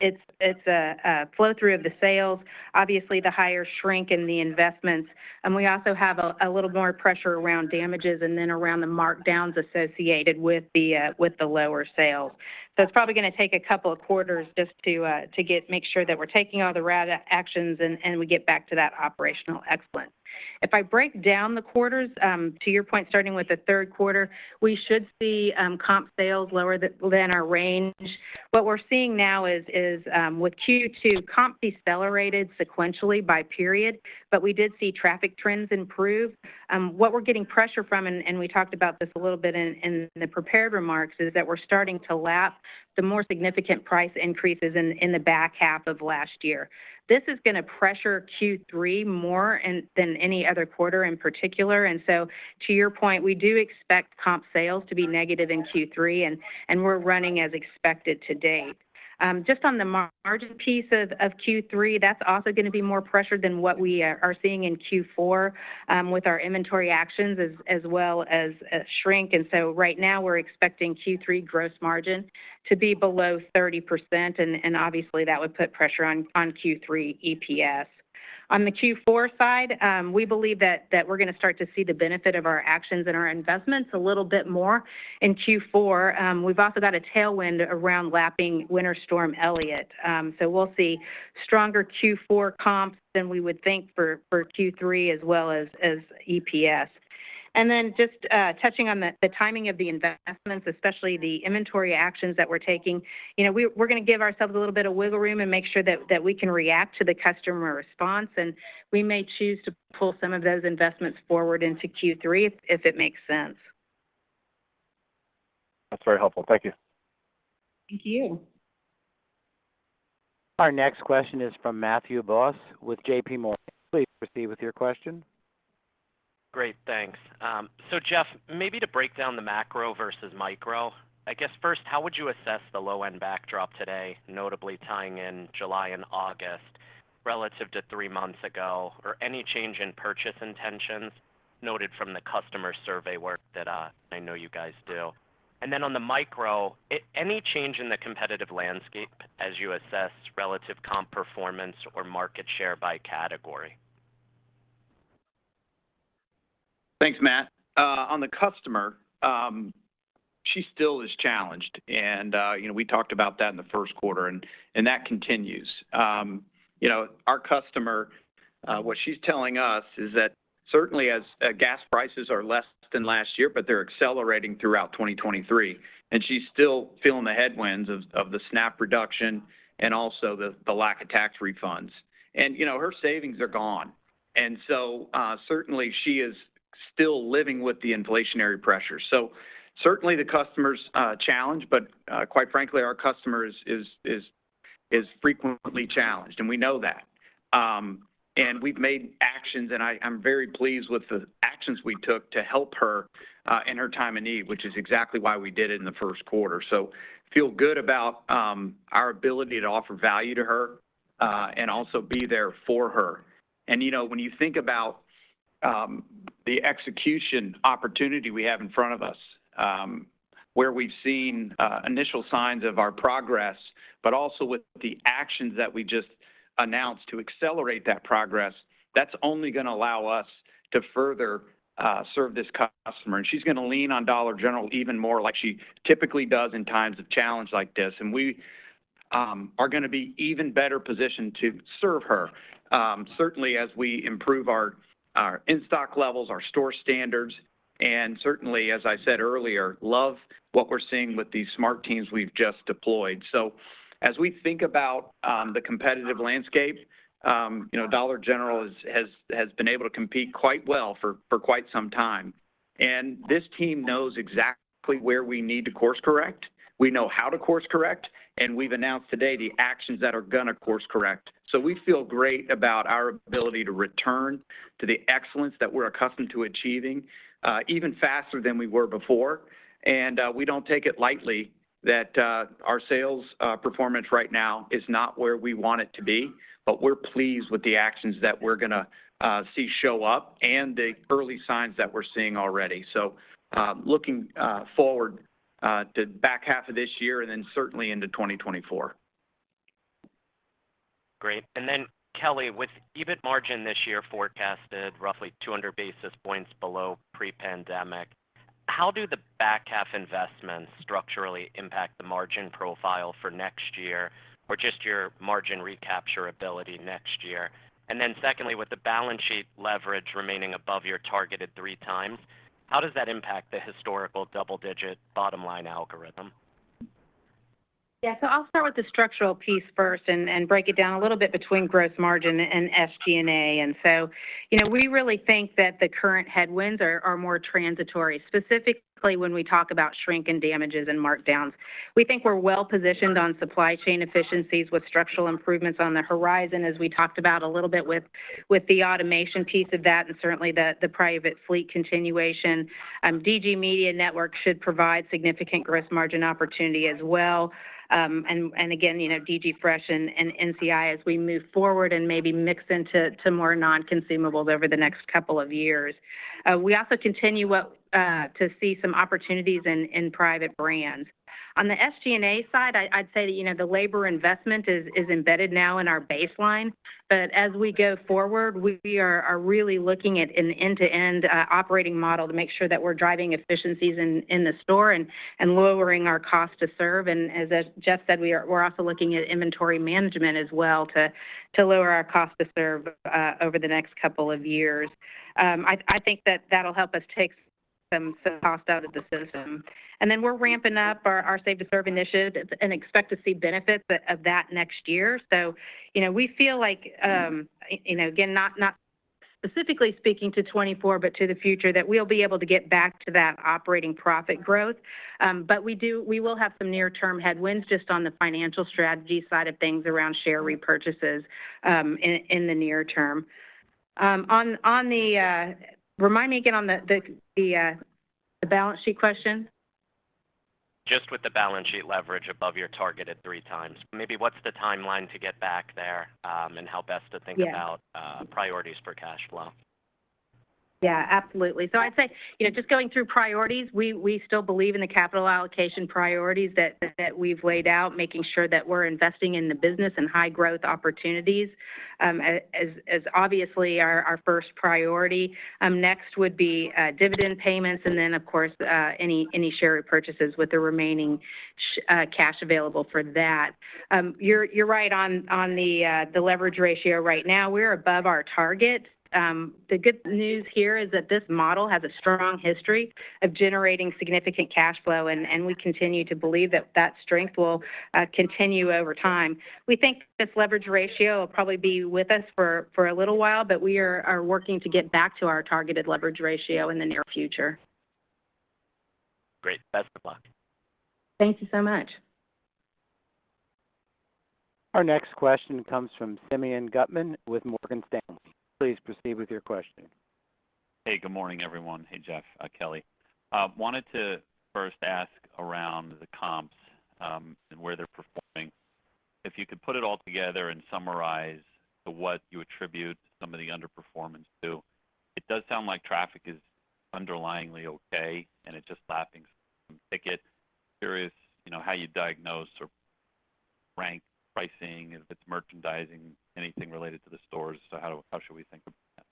it's a flow-through of the sales, obviously the higher shrink in the investments, and we also have a little more pressure around damages and then around the markdowns associated with the lower sales. So it's probably gonna take a couple of quarters just to make sure that we're taking all the right actions and we get back to that operational excellence. If I break down the quarters, to your point, starting with the third quarter, we should see comp sales lower than our range. What we're seeing now is with Q2, comp decelerated sequentially by period, but we did see traffic trends improve. What we're getting pressure from, and we talked about this a little bit in the prepared remarks, is that we're starting to lap the more significant price increases in the back half of last year. This is gonna pressure Q3 more than any other quarter in particular. And so to your point, we do expect comp sales to be negative in Q3, and we're running as expected to date. Just on the margin piece of Q3, that's also gonna be more pressured than what we are seeing in Q4, with our inventory actions as well as shrink. And so right now we're expecting Q3 gross margin to be below 30%, and obviously, that would put pressure on Q3 EPS. On the Q4 side, we believe that we're gonna start to see the benefit of our actions and our investments a little bit more in Q4. We've also got a tailwind around lapping Winter Storm Elliott. So we'll see stronger Q4 comps than we would think for Q3 as well as EPS. And then just touching on the timing of the investments, especially the inventory actions that we're taking, you know, we're gonna give ourselves a little bit of wiggle room and make sure that we can react to the customer response, and we may choose to pull some of those investments forward into Q3 if it makes sense. That's very helpful. Thank you. Thank you. Our next question is from Matthew Boss with JPMorgan. Please proceed with your question. Great. Thanks. So Jeff, maybe to break down the macro versus micro, I guess first, how would you assess the low-end backdrop today, notably tying in July and August, relative to three months ago, or any change in purchase intentions noted from the customer survey work that I know you guys do? And then on the micro, any change in the competitive landscape as you assess relative comp performance or market share by category? Thanks, Matt. On the customer, she still is challenged, and, you know, we talked about that in the first quarter, and that continues. You know, our customer, what she's telling us is that certainly as gas prices are less than last year, but they're accelerating throughout 2023, and she's still feeling the headwinds of the SNAP reduction and also the lack of tax refunds. And, you know, her savings are gone. And so, certainly she is still living with the inflationary pressure. So certainly the customer's challenged, but, quite frankly, our customer is frequently challenged, and we know that. And we've made actions, and I'm very pleased with the actions we took to help her in her time of need, which is exactly why we did it in the first quarter. So feel good about our ability to offer value to her and also be there for her. And, you know, when you think about the execution opportunity we have in front of us, where we've seen initial signs of our progress, but also with the actions that we just announced to accelerate that progress, that's only gonna allow us to further serve this customer. And she's gonna lean on Dollar General even more like she typically does in times of challenge like this. And we are gonna be even better positioned to serve her, certainly as we improve our in-stock levels, our store standards, and certainly, as I said earlier, love what we're seeing with these smart teams we've just deployed. So as we think about the competitive landscape, you know, Dollar General has been able to compete quite well for quite some time. And this team knows exactly where we need to course correct, we know how to course correct, and we've announced today the actions that are gonna course correct. So we feel great about our ability to return to the excellence that we're accustomed to achieving, even faster than we were before. And we don't take it lightly that our sales performance right now is not where we want it to be, but we're pleased with the actions that we're gonna see show up and the early signs that we're seeing already. So looking forward to back half of this year and then certainly into 2024.... Great. And then, Kelly, with EBIT margin this year forecasted roughly 200 basis points below pre-pandemic, how do the back half investments structurally impact the margin profile for next year, or just your margin recapture ability next year? And then secondly, with the balance sheet leverage remaining above your targeted 3x, how does that impact the historical double-digit bottom line algorithm? Yeah, so I'll start with the structural piece first and break it down a little bit between gross margin and SG&A. So, you know, we really think that the current headwinds are more transitory, specifically when we talk about shrink and damages and markdowns. We think we're well-positioned on supply chain efficiencies with structural improvements on the horizon, as we talked about a little bit with the automation piece of that, and certainly the private fleet continuation. DG Media Network should provide significant gross margin opportunity as well. And again, you know, DG Fresh and NCI as we move forward and maybe mix into more non-consumables over the next couple of years. We also continue to see some opportunities in private brands. On the SG&A side, I'd say that, you know, the labor investment is embedded now in our baseline. But as we go forward, we are really looking at an end-to-end operating model to make sure that we're driving efficiencies in the store and lowering our cost to serve. And as Jeff said, we're also looking at inventory management as well, to lower our cost to serve over the next couple of years. I think that that'll help us take some cost out of the system. And then we're ramping up our safe to serve initiative and expect to see benefits of that next year. So, you know, we feel like, you know, again, not specifically speaking to 2024, but to the future, that we'll be able to get back to that operating profit growth. But we will have some near-term headwinds just on the financial strategy side of things around share repurchases in the near term. On the, remind me again on the balance sheet question. Just with the balance sheet leverage above your targeted three times. Maybe what's the timeline to get back there, and how best to think about- Yeah... priorities for cash flow? Yeah, absolutely. So I'd say, you know, just going through priorities, we, we still believe in the capital allocation priorities that, that we've laid out, making sure that we're investing in the business and high growth opportunities, as, as obviously our, our first priority. Next would be dividend payments, and then, of course, any, any share repurchases with the remaining cash available for that. You're, you're right on, on the, the leverage ratio right now. We're above our target. The good news here is that this model has a strong history of generating significant cash flow, and, and we continue to believe that that strength will continue over time. We think this leverage ratio will probably be with us for a little while, but we are working to get back to our targeted leverage ratio in the near future. Great. Best of luck. Thank you so much. Our next question comes from Simeon Gutman with Morgan Stanley. Please proceed with your question. Hey, good morning, everyone. Hey, Jeff, Kelly. Wanted to first ask around the comps and where they're performing. If you could put it all together and summarize what you attribute some of the underperformance to. It does sound like traffic is underlyingly okay, and it's just lapping some ticket. Curious, you know, how you diagnose or rank pricing, if it's merchandising, anything related to the stores. So how should we think about that?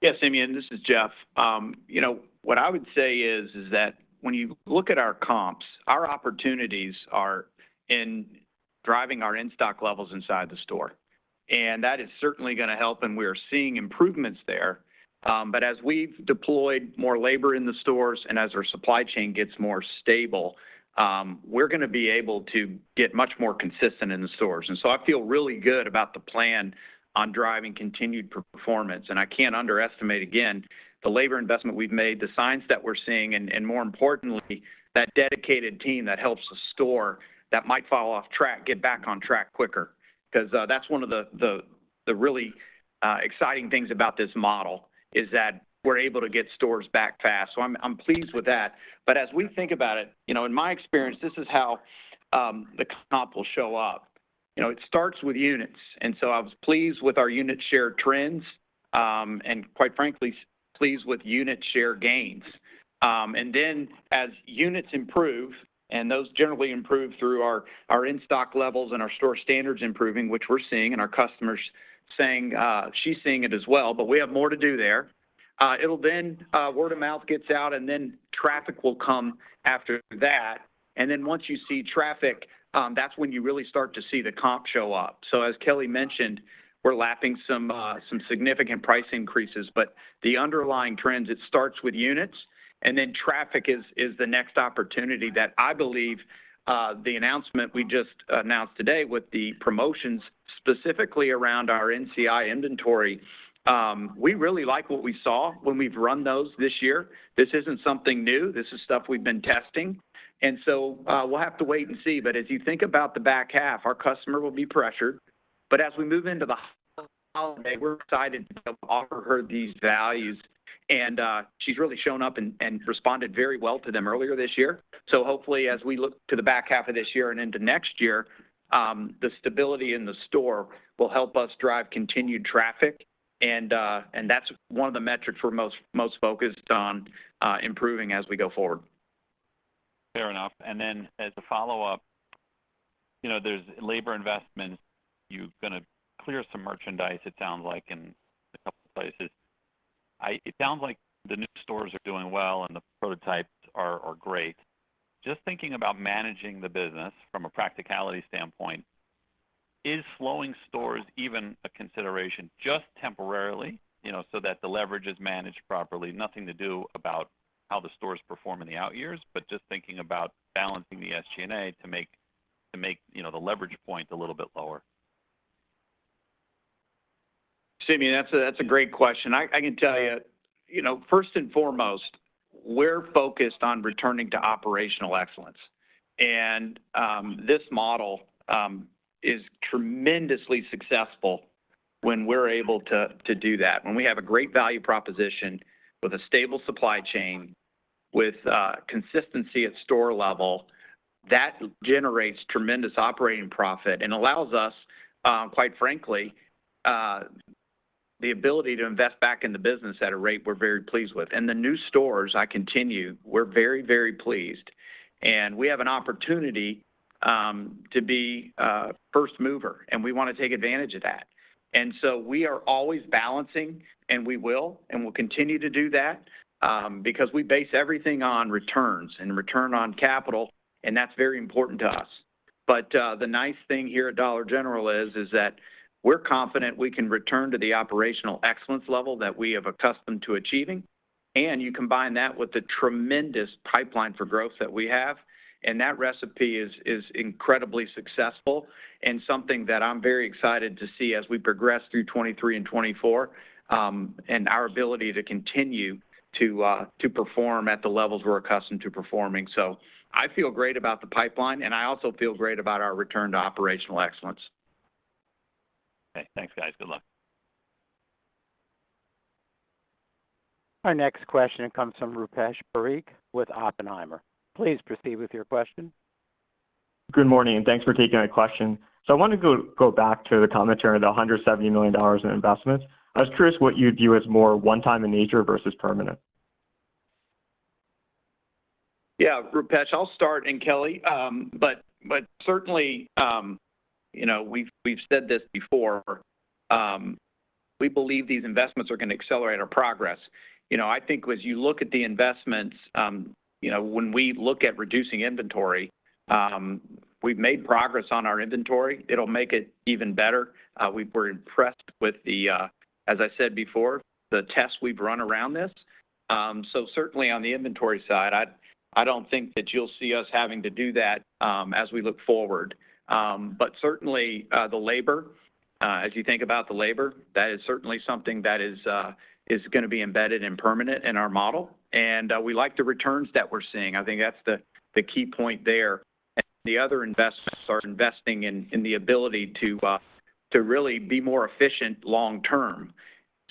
Yeah, Simeon, this is Jeff. You know, what I would say is that when you look at our comps, our opportunities are in driving our in-stock levels inside the store, and that is certainly gonna help, and we are seeing improvements there. But as we've deployed more labor in the stores and as our supply chain gets more stable, we're gonna be able to get much more consistent in the stores. And so I feel really good about the plan on driving continued performance. And I can't underestimate, again, the labor investment we've made, the signs that we're seeing, and more importantly, that dedicated team that helps a store that might fall off track get back on track quicker. Because that's one of the really exciting things about this model is that we're able to get stores back fast. So I'm pleased with that. But as we think about it, you know, in my experience, this is how the comp will show up. You know, it starts with units, and so I was pleased with our unit share trends, and quite frankly, pleased with unit share gains. And then as units improve, and those generally improve through our in-stock levels and our store standards improving, which we're seeing, and our customers saying she's seeing it as well, but we have more to do there. It'll then word of mouth gets out, and then traffic will come after that. And then once you see traffic, that's when you really start to see the comp show up. So as Kelly mentioned, we're lapping some some significant price increases, but the underlying trends, it starts with units, and then traffic is the next opportunity that I believe the announcement we just announced today with the promotions, specifically around our NCI inventory, we really like what we saw when we've run those this year. This isn't something new. This is stuff we've been testing. And so we'll have to wait and see. But as you think about the back half, our customer will be pressured. But as we move into the holiday, we're excited to offer her these values, and she's really shown up and responded very well to them earlier this year. Hopefully, as we look to the back half of this year and into next year, the stability in the store will help us drive continued traffic, and, and that's one of the metrics we're most, most focused on, improving as we go forward.... Fair enough. And then as a follow-up, you know, there's labor investment. You're gonna clear some merchandise, it sounds like, in a couple places. It sounds like the new stores are doing well, and the prototypes are, are great. Just thinking about managing the business from a practicality standpoint, is slowing stores even a consideration, just temporarily, you know, so that the leverage is managed properly? Nothing to do about how the stores perform in the out years, but just thinking about balancing the SG&A to make, to make, you know, the leverage point a little bit lower. Simeon, that's a great question. I can tell you, you know, first and foremost, we're focused on returning to operational excellence. And this model is tremendously successful when we're able to do that. When we have a great value proposition with a stable supply chain, with consistency at store level, that generates tremendous operating profit and allows us, quite frankly, the ability to invest back in the business at a rate we're very pleased with. And the new stores, I continue, we're very, very pleased, and we have an opportunity to be a first mover, and we want to take advantage of that. And so we are always balancing, and we will, and we'll continue to do that because we base everything on returns and return on capital, and that's very important to us. But, the nice thing here at Dollar General is that we're confident we can return to the operational excellence level that we have accustomed to achieving, and you combine that with the tremendous pipeline for growth that we have, and that recipe is incredibly successful and something that I'm very excited to see as we progress through 2023 and 2024, and our ability to continue to perform at the levels we're accustomed to performing. So I feel great about the pipeline, and I also feel great about our return to operational excellence. Okay. Thanks, guys. Good luck. Our next question comes from Rupesh Parikh with Oppenheimer. Please proceed with your question. Good morning, and thanks for taking my question. So I wanted to go back to the commentary on the $170 million in investments. I was curious what you'd view as more one-time in nature versus permanent. Yeah, Rupesh, I'll start, and Kelly. But certainly, you know, we've said this before, we believe these investments are gonna accelerate our progress. You know, I think as you look at the investments, you know, when we look at reducing inventory, we've made progress on our inventory. It'll make it even better. We're impressed with the, as I said before, the tests we've run around this. So certainly on the inventory side, I don't think that you'll see us having to do that, as we look forward. But certainly, the labor, as you think about the labor, that is certainly something that is gonna be embedded and permanent in our model, and, we like the returns that we're seeing. I think that's the key point there. The other investments are investing in the ability to really be more efficient long term.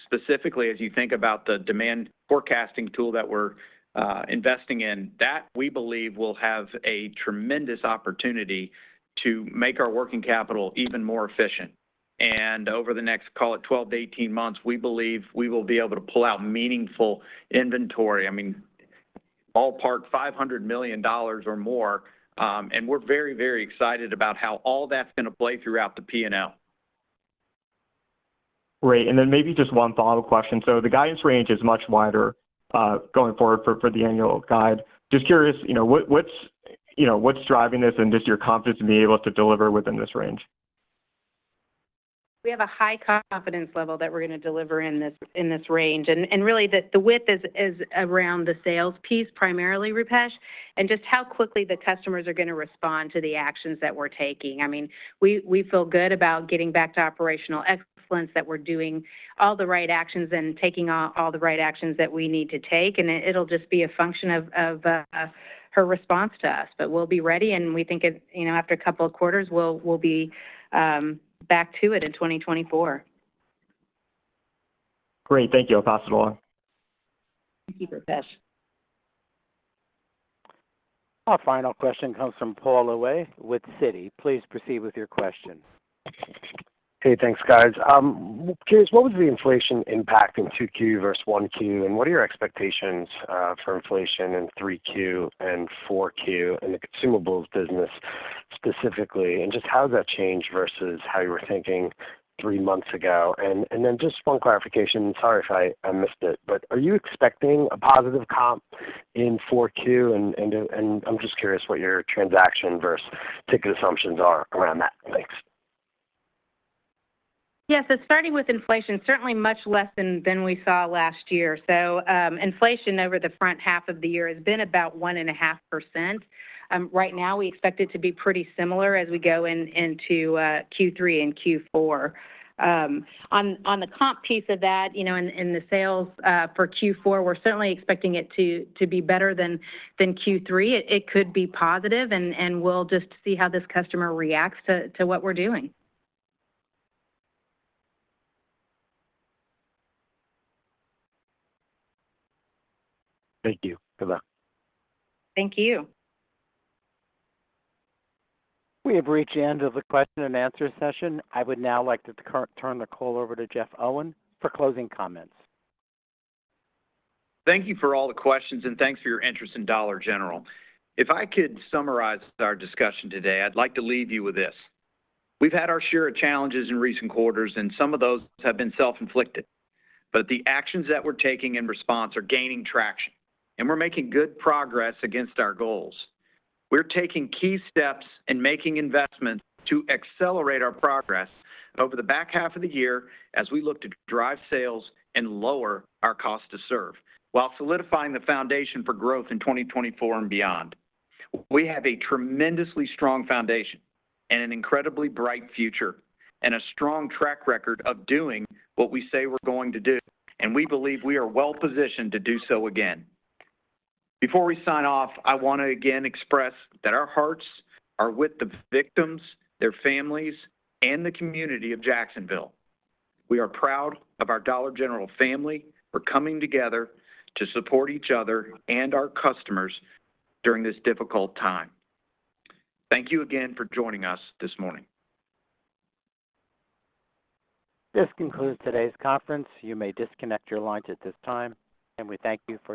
Specifically, as you think about the demand forecasting tool that we're investing in, that we believe will have a tremendous opportunity to make our working capital even more efficient. Over the next, call it 12-18 months, we believe we will be able to pull out meaningful inventory. I mean, ballpark $500 million or more, and we're very, very excited about how all that's gonna play throughout the P&L. Great. And then maybe just one follow-up question. So the guidance range is much wider, going forward for, for the annual guide. Just curious, you know, what, what's, you know, what's driving this, and just your confidence in being able to deliver within this range? We have a high confidence level that we're gonna deliver in this, in this range, and, and really the, the width is, is around the sales piece, primarily, Rupesh, and just how quickly the customers are gonna respond to the actions that we're taking. I mean, we, we feel good about getting back to operational excellence, that we're doing all the right actions and taking all the right actions that we need to take. And it'll just be a function of, of, her response to us. But we'll be ready, and we think it... You know, after a couple of quarters, we'll, we'll be, back to it in 2024. Great. Thank you, I'll pass it along. Thank you, Rupesh. Our final question comes from Paul Lejuez with Citi. Please proceed with your question. Hey, thanks, guys. Curious, what was the inflation impact in 2Q versus 1Q, and what are your expectations for inflation in 3Q and 4Q in the consumables business specifically? And just how has that changed versus how you were thinking three months ago? And then just one clarification, sorry if I missed it, but are you expecting a positive comp in 4Q? And I'm just curious what your transaction versus ticket assumptions are around that. Thanks. Yes, so starting with inflation, certainly much less than we saw last year. So, inflation over the front half of the year has been about 1.5%. Right now, we expect it to be pretty similar as we go into Q3 and Q4. On the comp piece of that, you know, in the sales for Q4, we're certainly expecting it to be better than Q3. It could be positive, and we'll just see how this customer reacts to what we're doing. Thank you. Good luck. Thank you. We have reached the end of the question and answer session. I would now like to turn the call over to Jeff Owen for closing comments. Thank you for all the questions, and thanks for your interest in Dollar General. If I could summarize our discussion today, I'd like to leave you with this: We've had our share of challenges in recent quarters, and some of those have been self-inflicted, but the actions that we're taking in response are gaining traction, and we're making good progress against our goals. We're taking key steps and making investments to accelerate our progress over the back half of the year as we look to drive sales and lower our cost to serve, while solidifying the foundation for growth in 2024 and beyond. We have a tremendously strong foundation and an incredibly bright future, and a strong track record of doing what we say we're going to do, and we believe we are well positioned to do so again. Before we sign off, I want to again express that our hearts are with the victims, their families, and the community of Jacksonville. We are proud of our Dollar General family for coming together to support each other and our customers during this difficult time. Thank you again for joining us this morning. This concludes today's conference. You may disconnect your lines at this time, and we thank you for-